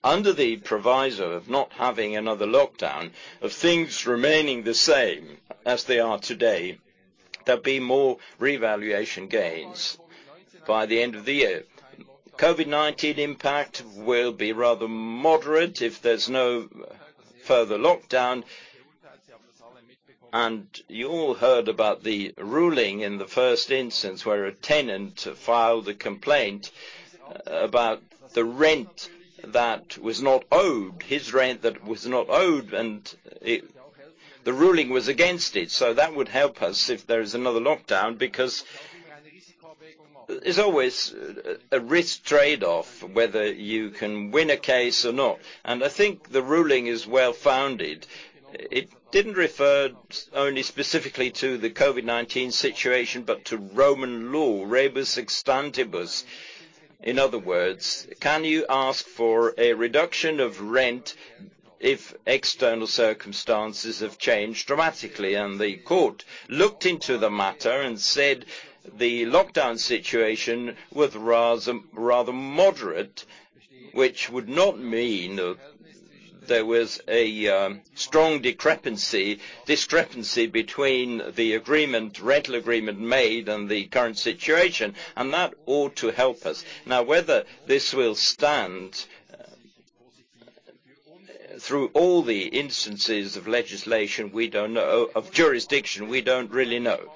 Under the proviso of not having another lockdown, of things remaining the same as they are today, there'll be more revaluation gains by the end of the year. COVID-19 impact will be rather moderate if there's no further lockdown. You all heard about the ruling in the 1st instance, where a tenant filed a complaint about the rent that was not owed, his rent that was not owed, and the ruling was against it. That would help us if there is another lockdown, because there's always a risk trade-off whether you can win a case or not. I think the ruling is well-founded. It didn't refer only specifically to the COVID-19 situation, but to Roman law, rebus sic stantibus. In other words, can you ask for a reduction of rent if external circumstances have changed dramatically? The court looked into the matter and said the lockdown situation was rather moderate, which would not mean there was a strong discrepancy between the rental agreement made and the current situation, and that ought to help us. Whether this will stand through all the instances of legislation, we don't know. Of jurisdiction, we don't really know.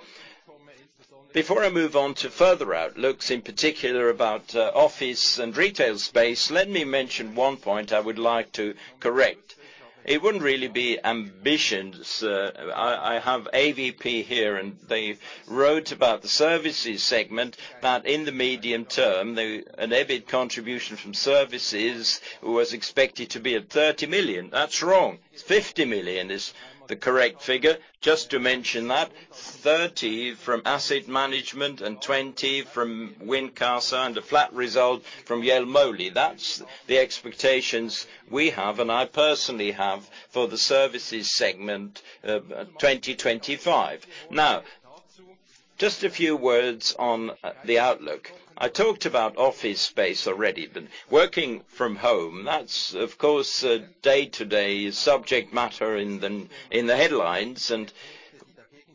Before I move on to further outlooks, in particular about office and retail space, let me mention one point I would like to correct. It wouldn't really be ambitions. I have AVP here. They wrote about the services segment, that in the medium term, an EBIT contribution from services was expected to be at 30 million. That's wrong. 50 million is the correct figure. Just to mention that. 30 from asset management and 20 from Wincasa, and a flat result from Jelmoli. That's the expectations we have, and I personally have, for the services segment 2025. Just a few words on the outlook. I talked about office space already, working from home, that's, of course, a day-to-day subject matter in the headlines.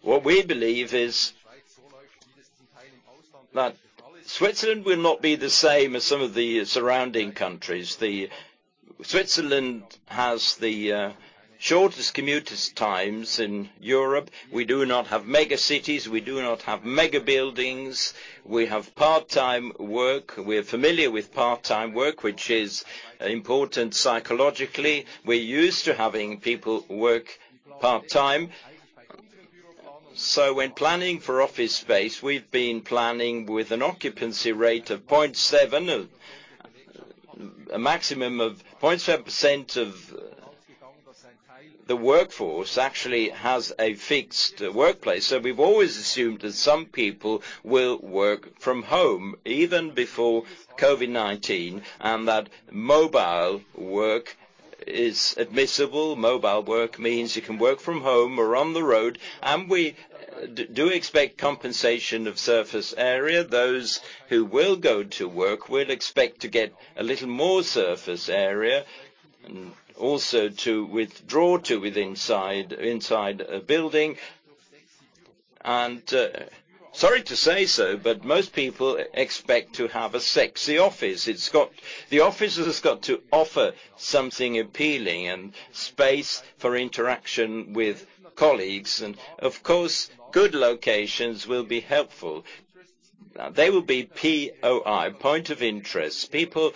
What we believe is that Switzerland will not be the same as some of the surrounding countries. Switzerland has the shortest commuter times in Europe. We do not have mega cities. We do not have mega buildings. We have part-time work. We're familiar with part-time work, which is important psychologically. We're used to having people work part-time. When planning for office space, we've been planning with an occupancy rate of 0.7. A maximum of 0.7% of the workforce actually has a fixed workplace. We've always assumed that some people will work from home, even before COVID-19, and that mobile work is admissible. Mobile work means you can work from home or on the road, and we do expect compensation of surface area. Those who will go to work, we'd expect to get a little more surface area, also to withdraw to with inside a building. Sorry to say so, but most people expect to have a sexy office. The office has got to offer something appealing and space for interaction with colleagues. Of course, good locations will be helpful. They will be POI, point of interest. People,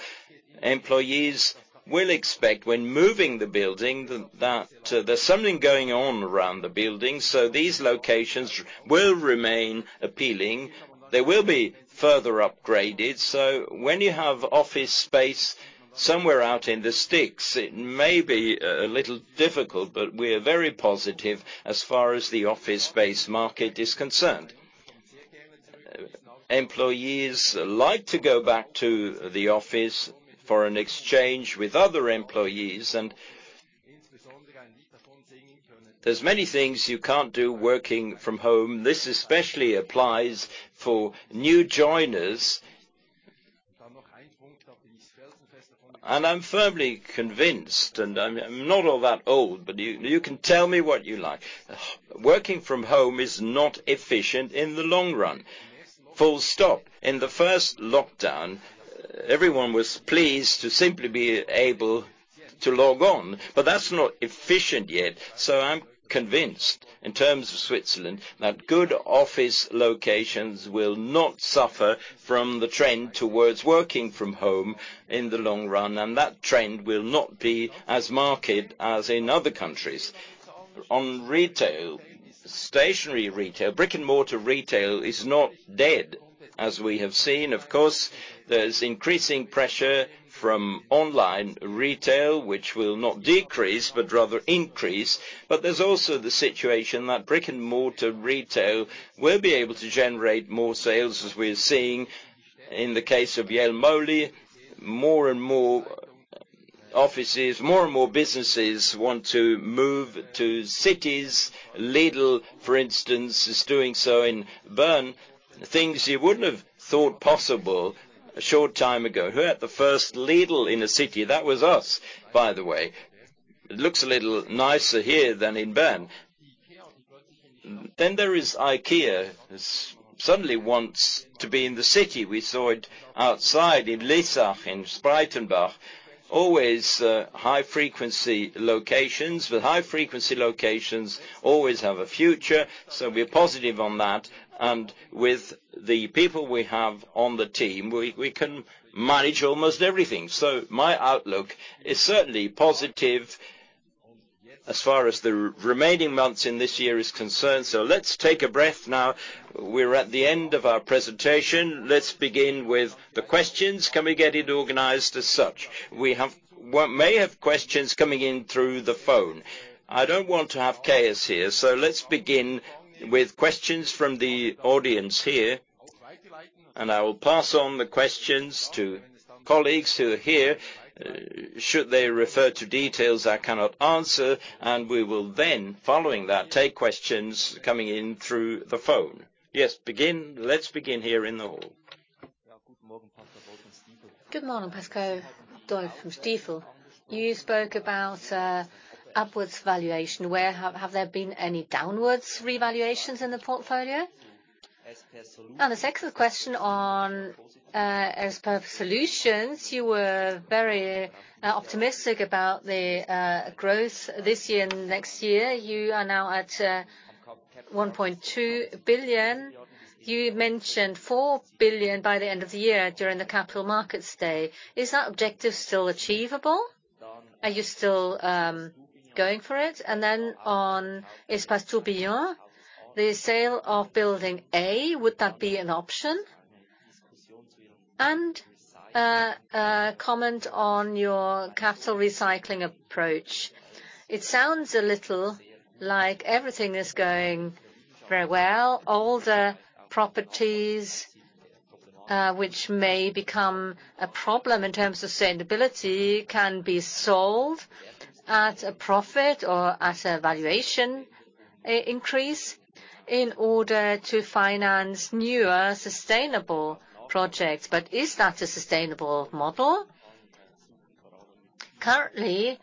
employees will expect when moving the building, that there's something going on around the building. These locations will remain appealing. They will be further upgraded. When you have office space somewhere out in the sticks, it may be a little difficult, but we're very positive as far as the office space market is concerned. Employees like to go back to the office for an exchange with other employees, and there's many things you can't do working from home. This especially applies for new joiners. I'm firmly convinced, and I'm not all that old, but you can tell me what you like. Working from home is not efficient in the long run, full stop. In the first lockdown, everyone was pleased to simply be able to log on, but that's not efficient yet. I'm convinced in terms of Switzerland, that good office locations will not suffer from the trend towards working from home in the long run, and that trend will not be as marked as in other countries. On retail, stationary retail, brick-and-mortar retail is not dead, as we have seen. Of course, there's increasing pressure from online retail, which will not decrease, but rather increase. There's also the situation that brick-and-mortar retail will be able to generate more sales, as we're seeing in the case of Jelmoli. More and more offices, more and more businesses want to move to cities. Lidl, for instance, is doing so in Bern. Things you wouldn't have thought possible a short time ago. Who had the first Lidl in a city? That was us, by the way. It looks a little nicer here than in Bern. There is IKEA, suddenly wants to be in the city. We saw it outside in Lissaj in Spreitenbach. Always high frequency locations. With high frequency locations always have a future, so we're positive on that. With the people we have on the team, we can manage almost everything. My outlook is certainly positive as far as the remaining months in this year is concerned. Let's take a breath now. We are at the end of our presentation. Let's begin with the questions. Can we get it organized as such? We may have questions coming in through the phone. I do not want to have chaos here. Let's begin with questions from the audience here, and I will pass on the questions to colleagues who are here should they refer to details I cannot answer. We will then, following that, take questions coming in through the phone. Yes, begin. Let's begin here in the hall. Good morning, Pascal. Dora from Stifel. You spoke about upwards valuation. Have there been any downwards revaluations in the portfolio? The second question on Swiss Prime Site Solutions. You were very optimistic about the growth this year and next year. You are now at 1.2 billion. You mentioned 4 billion by the end of the year during the capital markets day. Is that objective still achievable? Are you still going for it? On Espace Tourbillon, the sale of Building A, would that be an option? A comment on your capital recycling approach. It sounds a little like everything is going very well. Older properties, which may become a problem in terms of sustainability, can be sold at a profit or at a valuation increase in order to finance newer, sustainable projects. Is that a sustainable model? Currently,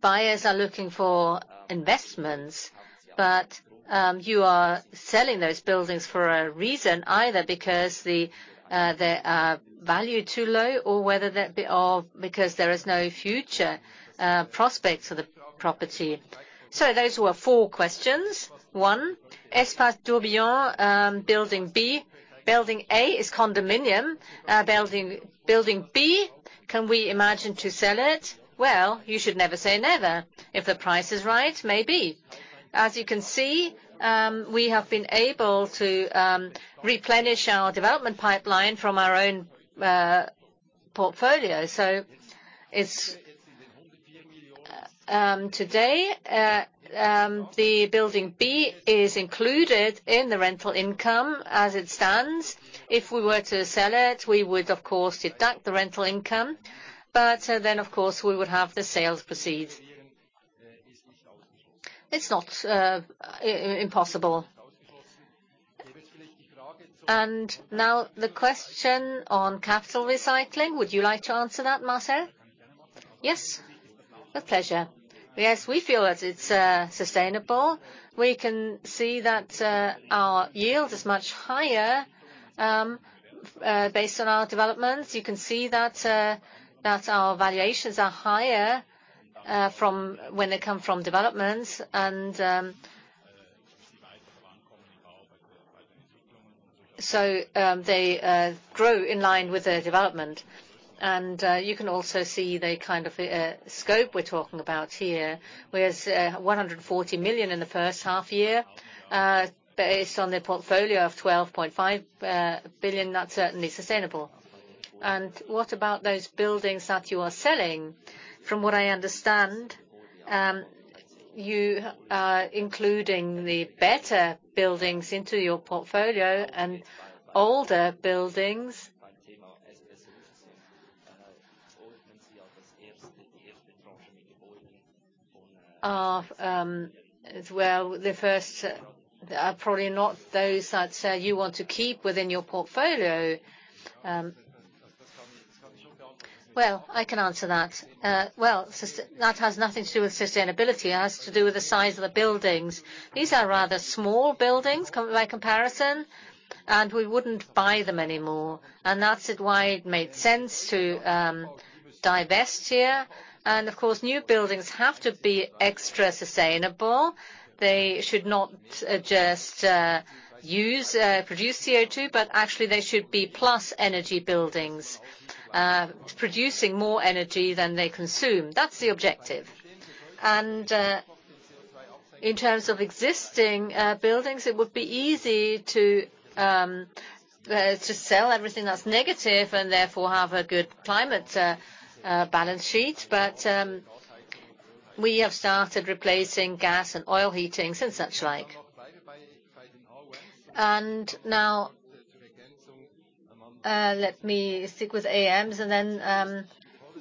buyers are looking for investments, but you are selling those buildings for a reason, either because they are valued too low or because there is no future prospect for the property. Those were four questions. one, Espace Tourbillon, Building B. Building A is condominium. Building B, can we imagine to sell it? Well, you should never say never. If the price is right, maybe. As you can see, we have been able to replenish our development pipeline from our own portfolio. Today, the Building B is included in the rental income as it stands. If we were to sell it, we would of course deduct the rental income. Of course, we would have the sales proceed. It's not impossible. Now the question on capital recycling. Would you like to answer that, Marcel? Yes. A pleasure. Yes, we feel that it's sustainable. We can see that our yield is much higher based on our developments. You can see that our valuations are higher when they come from developments. They grow in line with their development. You can also see the kind of scope we're talking about here, with 140 million in the first half year, based on the portfolio of 12.5 billion. That's certainly sustainable. What about those buildings that you are selling? From what I understand, you are including the better buildings into your portfolio, and older buildings are the first, are probably not those that you want to keep within your portfolio. Well, I can answer that. That has nothing to do with sustainability, it has to do with the size of the buildings. These are rather small buildings by comparison, and we wouldn't buy them anymore. That's why it made sense to divest here. Of course, new buildings have to be extra sustainable. They should not just produce CO2, but actually they should be plus energy buildings, producing more energy than they consume. That's the objective. In terms of existing buildings, it would be easy to just sell everything that's negative and therefore have a good climate balance sheet. We have started replacing gas and oil heatings and such like. Now, let me stick with AUM,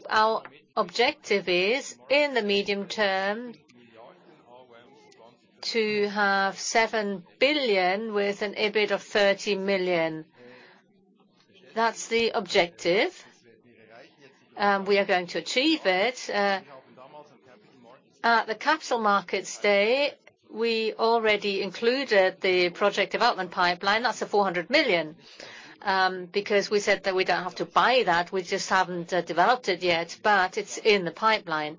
our objective is, in the medium term, to have 7 billion with an EBIT of 30 million. That's the objective. We are going to achieve it. At the Capital Markets Day, we already included the project development pipeline. That's the 400 million. We said that we don't have to buy that, we just haven't developed it yet. It's in the pipeline.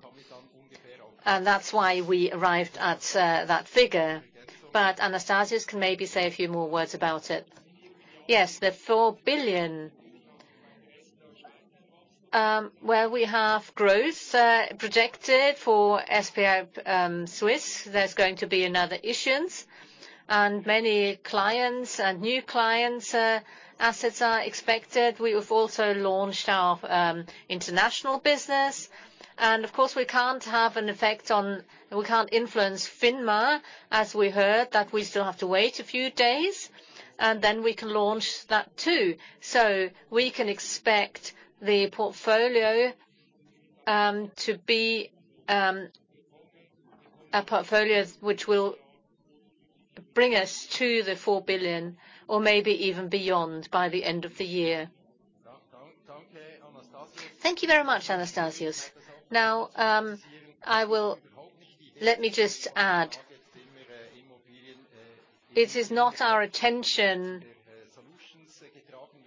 That's why we arrived at that figure. Anastasius can maybe say a few more words about it. Yes, the 4 billion. Well, we have growth projected for SVA. There's going to be another issuance, and many clients and new clients' assets are expected. We have also launched our international business. Of course, we can't influence FINMA, as we heard, that we still have to wait a few days, and then we can launch that too. We can expect the portfolio to be a portfolio which will bring us to the 4 billion or maybe even beyond by the end of the year. Thank you very much, Anastasius. Let me just add. It is not our intention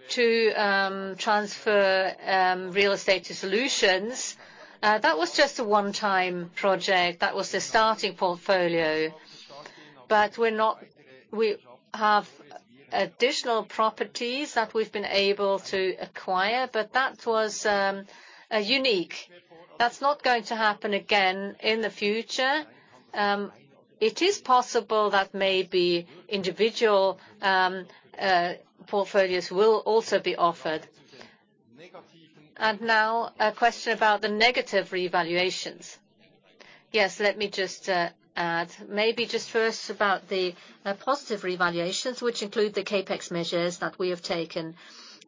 to transfer real estate to Solutions. That was just a one-time project. That was the starting portfolio. We have additional properties that we've been able to acquire. That was unique. That's not going to happen again in the future. It is possible that maybe individual portfolios will also be offered. Now a question about the negative revaluations. Yes, let me just add, maybe just first about the positive revaluations, which include the CapEx measures that we have taken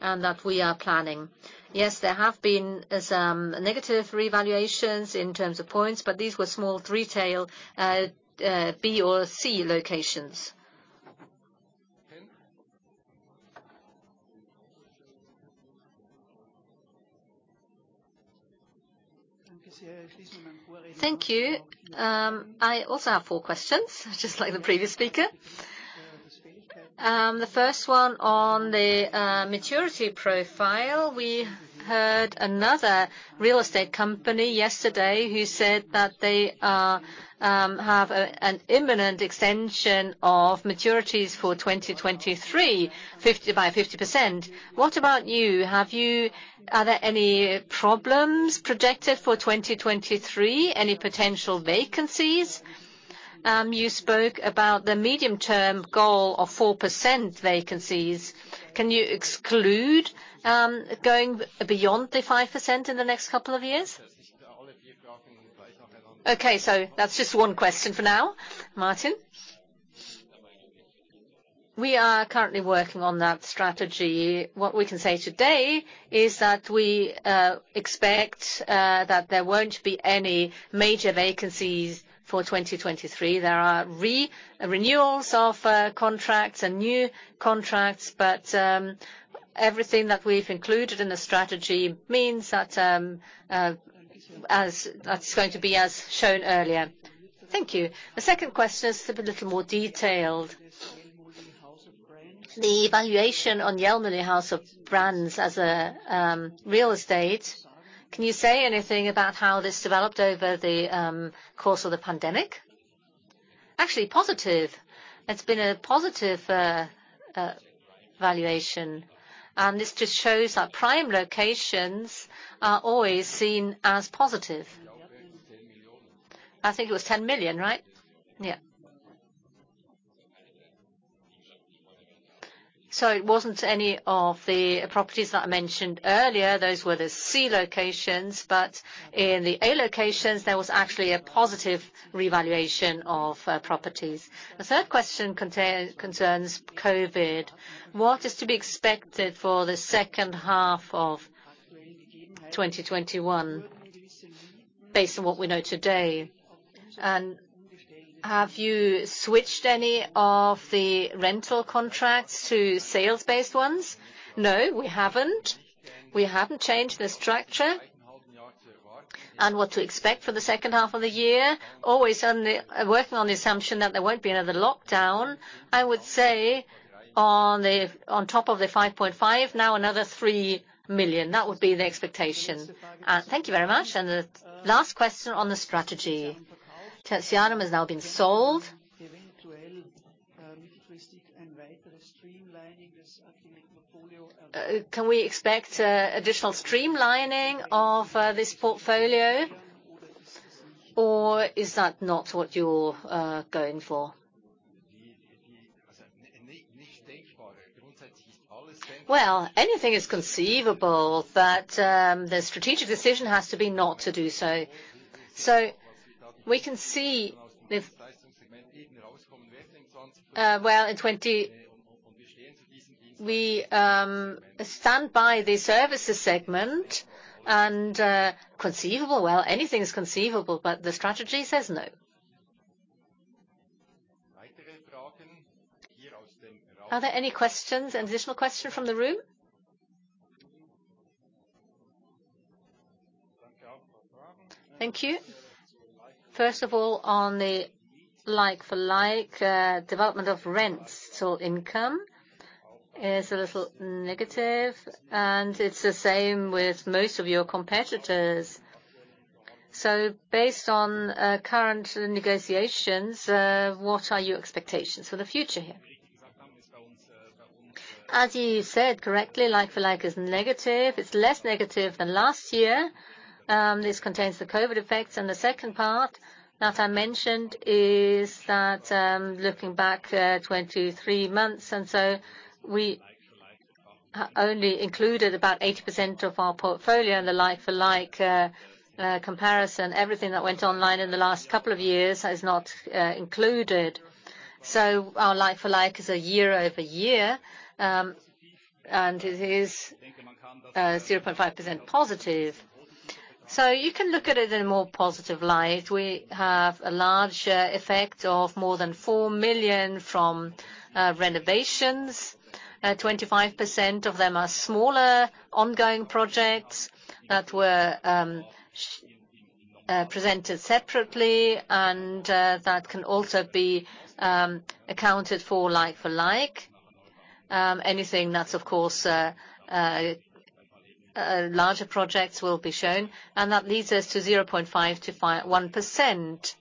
and that we are planning. Yes, there have been some negative revaluations in terms of points, but these were small retail B or C locations. Thank you. I also have four questions, just like the previous speaker. The first one on the maturity profile. We heard another real estate company yesterday who said that they have an imminent extension of maturities for 2023 by 50%. What about you? Are there any problems projected for 2023? Any potential vacancies? You spoke about the medium-term goal of 4% vacancies. Can you exclude going beyond the 5% in the next couple of years? Okay, that's just one question for now. Martin? We are currently working on that strategy. What we can say today is that we expect that there won't be any major vacancies for 2023. There are renewals of contracts and new contracts, everything that we've included in the strategy means that's going to be as shown earlier. Thank you. The second question is a little more detailed. The valuation on Jelmoli – The House of Brands as a real estate, can you say anything about how this developed over the course of the pandemic? Actually positive. It's been a positive valuation, this just shows that prime locations are always seen as positive. I think it was 10 million, right? Yeah. It wasn't any of the properties that I mentioned earlier. Those were the C locations, in the A locations, there was actually a positive revaluation of properties. The third question concerns COVID. What is to be expected for the second half of 2021 based on what we know today? Have you switched any of the rental contracts to sales-based ones? No, we haven't. We haven't changed the structure. What to expect for the second half of the year, always working on the assumption that there won't be another lockdown, I would say on top of the 5.5, now another 3 million. That would be the expectation. Thank you very much. The last question on the strategy. Tertianum has now been sold. Can we expect additional streamlining of this portfolio? Is that not what you're going for? Well, anything is conceivable. The strategic decision has to be not to do so. Well, we stand by the services segment. Anything is conceivable. The strategy says no. Are there any questions, additional questions from the room? Thank you. First of all, on the like-for-like development of rents or income is a little negative, and it's the same with most of your competitors. Based on current negotiations, what are your expectations for the future here? As you said correctly, like-for-like is negative. It's less negative than last year. This contains the COVID effects, and the second part that I mentioned is that looking back 23 months and so, we only included about 80% of our portfolio in the like-for-like comparison. Everything that went online in the last couple of years is not included. Our like-for-like is a year-over-year, and it is 0.5% positive. You can look at it in a more positive light. We have a large effect of more than 4 million from renovations. 25% of them are smaller ongoing projects that were presented separately and that can also be accounted for like-for-like. Anything that's, of course, larger projects will be shown. That leads us to 0.5%-1%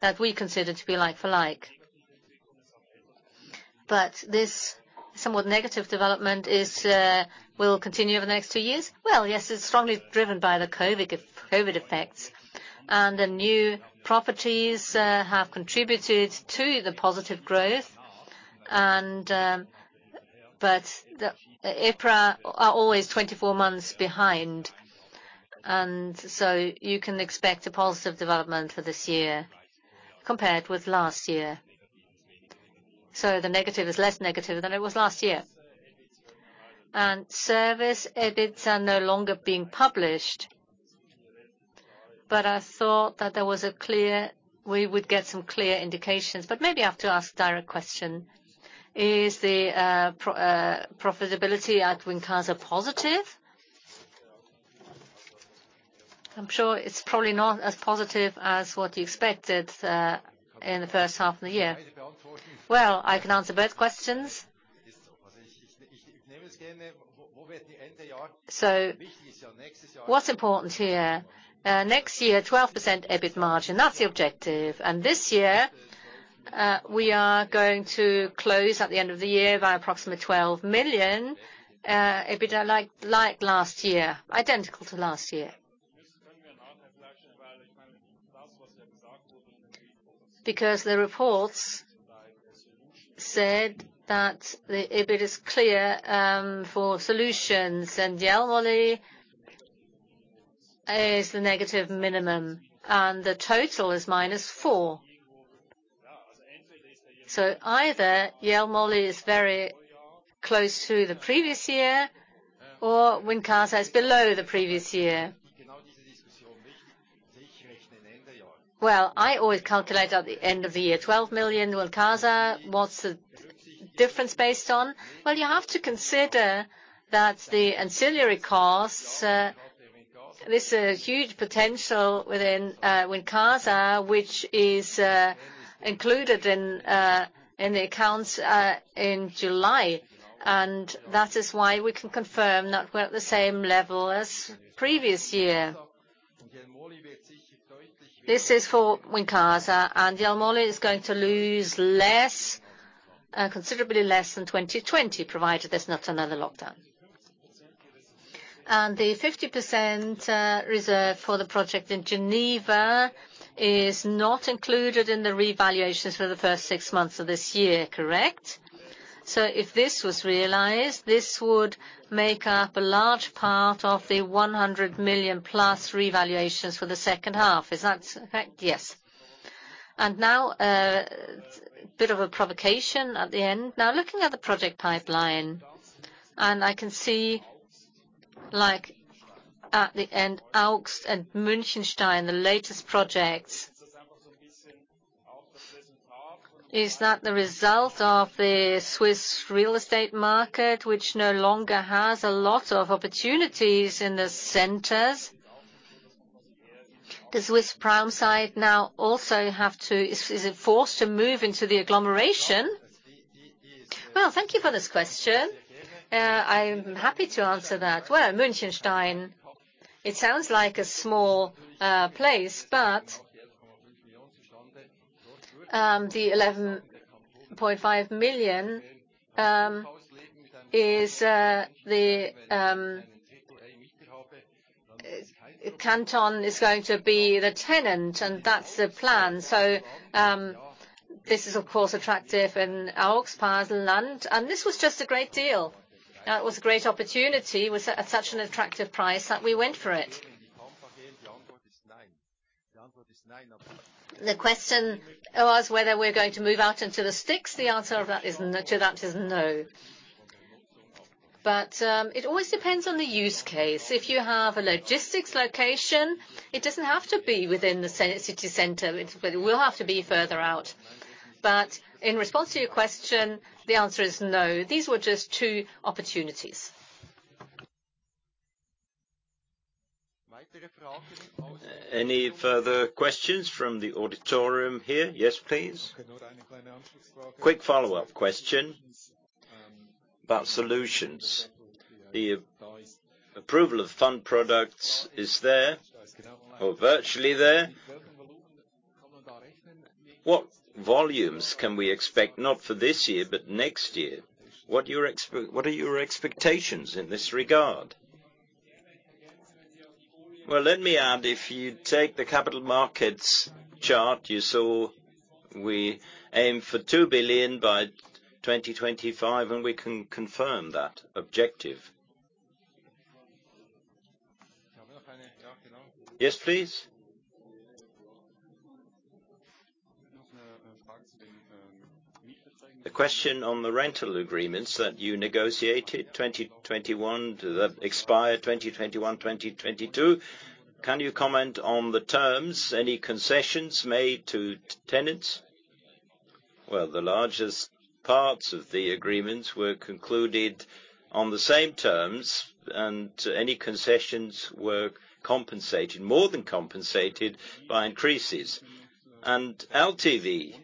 that we consider to be like-for-like. This somewhat negative development will continue over the next 2 years? Well, yes, it's strongly driven by the COVID effects. The new properties have contributed to the positive growth. EPRA are always 24 months behind. You can expect a positive development for this year compared with last year. The negative is less negative than it was last year. Service EBITs are no longer being published. I thought that we would get some clear indications. Maybe I have to ask direct question. Is the profitability at Wincasa positive? I'm sure it's probably not as positive as what you expected, in the first half of the year. I can answer both questions. What's important here, next year, 12% EBIT margin, that's the objective. This year, we are going to close at the end of the year by approximately 12 million EBITA, like last year. Identical to last year. The reports said that the EBIT is clear, for Swiss Prime Site Solutions, and Jelmoli is the negative minimum, and the total is minus 4. Either Jelmoli is very close to the previous year or Wincasa is below the previous year. I always calculate at the end of the year, 12 million Wincasa. What's the difference based on? You have to consider that the ancillary costs, there's a huge potential within Wincasa, which is included in the accounts in July. That is why we can confirm that we're at the same level as previous year. This is for Wincasa, and Jelmoli is going to lose less, considerably less than 2020, provided there's not another lockdown. The 50% reserve for the project in Geneva is not included in the revaluations for the first six months of this year, correct? If this was realized, this would make up a large part of the 100 million-plus revaluations for the second half. Is that correct? Yes. Now, a bit of a provocation at the end. Now looking at the project pipeline, and I can see at the end, Augst and Münchenstein, the latest projects. Is that the result of the Swiss real estate market, which no longer has a lot of opportunities in the centers? Does Swiss Prime Site now also, is it forced to move into the agglomeration? Well, thank you for this question. I'm happy to answer that. Münchenstein, it sounds like a small place, the 11.5 million, is the Canton is going to be the tenant, and that's the plan. This is, of course, attractive in Augst, Baselland, this was just a great deal. It was a great opportunity with such an attractive price that we went for it. The question was whether we're going to move out into the sticks. The answer to that is no. It always depends on the use case. If you have a logistics location, it doesn't have to be within the city center. It will have to be further out. In response to your question, the answer is no. These were just two opportunities. Any further questions from the auditorium here? Yes, please. Quick follow-up question about Solutions. The approval of fund products is there or virtually there. What volumes can we expect, not for this year, but next year? What are your expectations in this regard? Well, let me add, if you take the capital markets chart, you saw we aim for 2 billion by 2025, and we can confirm that objective. Yes, please. The question on the rental agreements that you negotiated, 2021, that expire 2021, 2022. Can you comment on the terms? Any concessions made to tenants? Well, the largest parts of the agreements were concluded on the same terms, and any concessions were compensated, more than compensated by increases. LTV,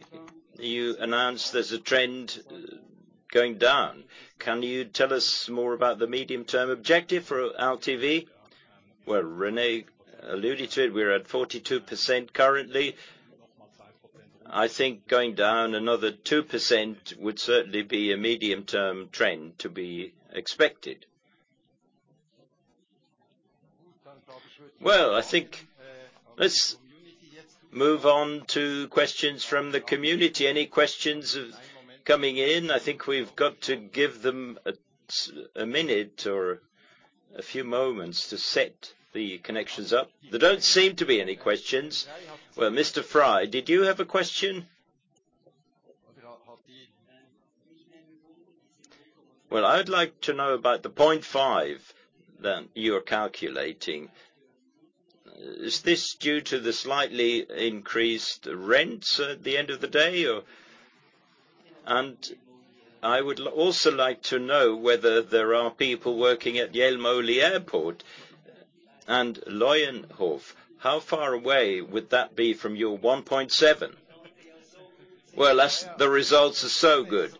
you announced there's a trend going down. Can you tell us more about the medium-term objective for LTV? Well, René alluded to it. We're at 42% currently. I think going down another 2% would certainly be a medium-term trend to be expected. I think let's move on to questions from the community. Any questions coming in? I think we've got to give them a minute or a few moments to set the connections up. There don't seem to be any questions. Mr. Fry, did you have a question? I'd like to know about the 0.5 that you are calculating. Is this due to the slightly increased rents at the end of the day? I would also like to know whether there are people working at the Jelmoli and Leuenhof. How far away would that be from your 1.7? As the results are so good.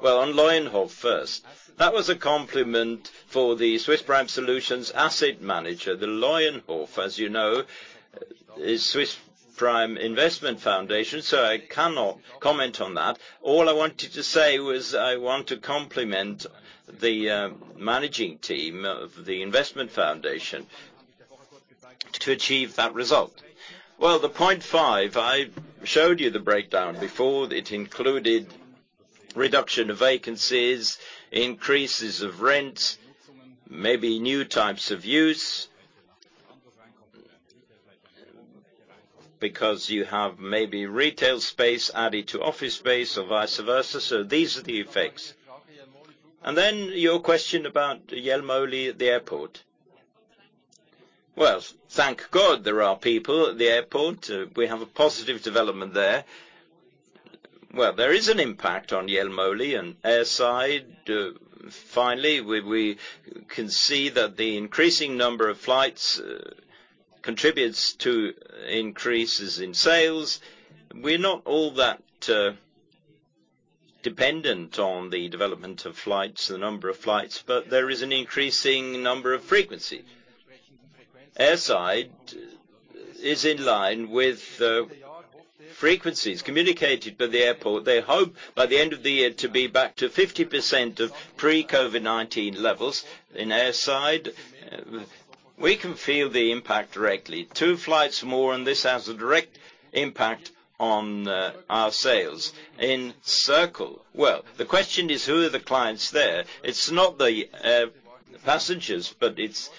On Leuenhof first. That was a compliment for the Swiss Prime Site Solutions asset manager. The Leuenhof, as you know, is Swiss Prime Investment Foundation. I cannot comment on that. All I wanted to say was I want to compliment the managing team of the investment foundation to achieve that result. The 0.5, I showed you the breakdown before. It included reduction of vacancies, increases of rents, maybe new types of use. You have maybe retail space added to office space or vice versa. These are the effects. Your question about Jelmoli, the airport. Thank God there are people at the airport. We have a positive development there. There is an impact on Jelmoli and airside. Finally, we can see that the increasing number of flights contributes to increases in sales. We're not all that dependent on the development of flights or the number of flights, there is an increasing number of frequency. Airside is in line with frequencies communicated by the airport. They hope by the end of the year to be back to 50% of pre-COVID-19 levels in airside. We can feel the impact directly. 2 flights more, this has a direct impact on our sales. In Circle, well, the question is, who are the clients there? It's not the passengers, but it's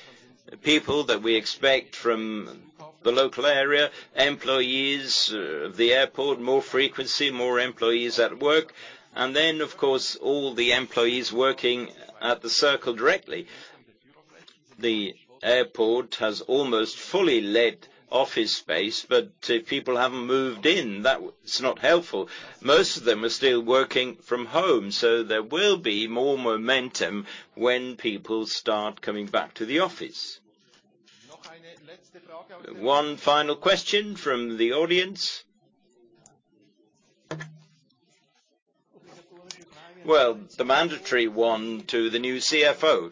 people that we expect from the local area, employees of the airport, more frequency, more employees at work, and then, of course, all the employees working at the Circle directly. The airport has almost fully let office space, but people haven't moved in. That is not helpful. Most of them are still working from home, so there will be more momentum when people start coming back to the office. one final question from the audience. Well, the mandatory one to the new CFO.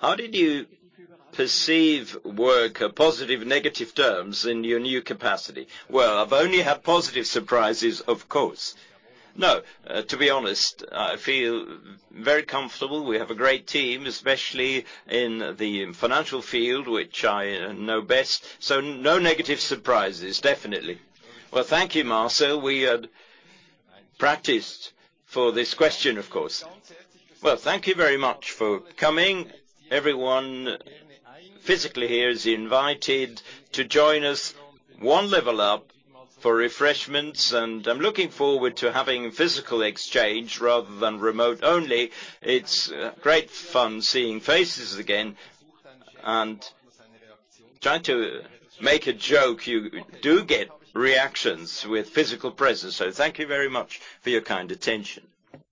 How did you perceive work, positive, negative terms in your new capacity? Well, I've only had positive surprises, of course. No, to be honest, I feel very comfortable. We have a great team, especially in the financial field, which I know best. No negative surprises, definitely. Well, thank you, Marcel. We had practiced for this question, of course. Well, thank you very much for coming. Everyone physically here is invited to join us one level up for refreshments, and I'm looking forward to having physical exchange rather than remote only. It's great fun seeing faces again. Trying to make a joke, you do get reactions with physical presence. Thank you very much for your kind attention.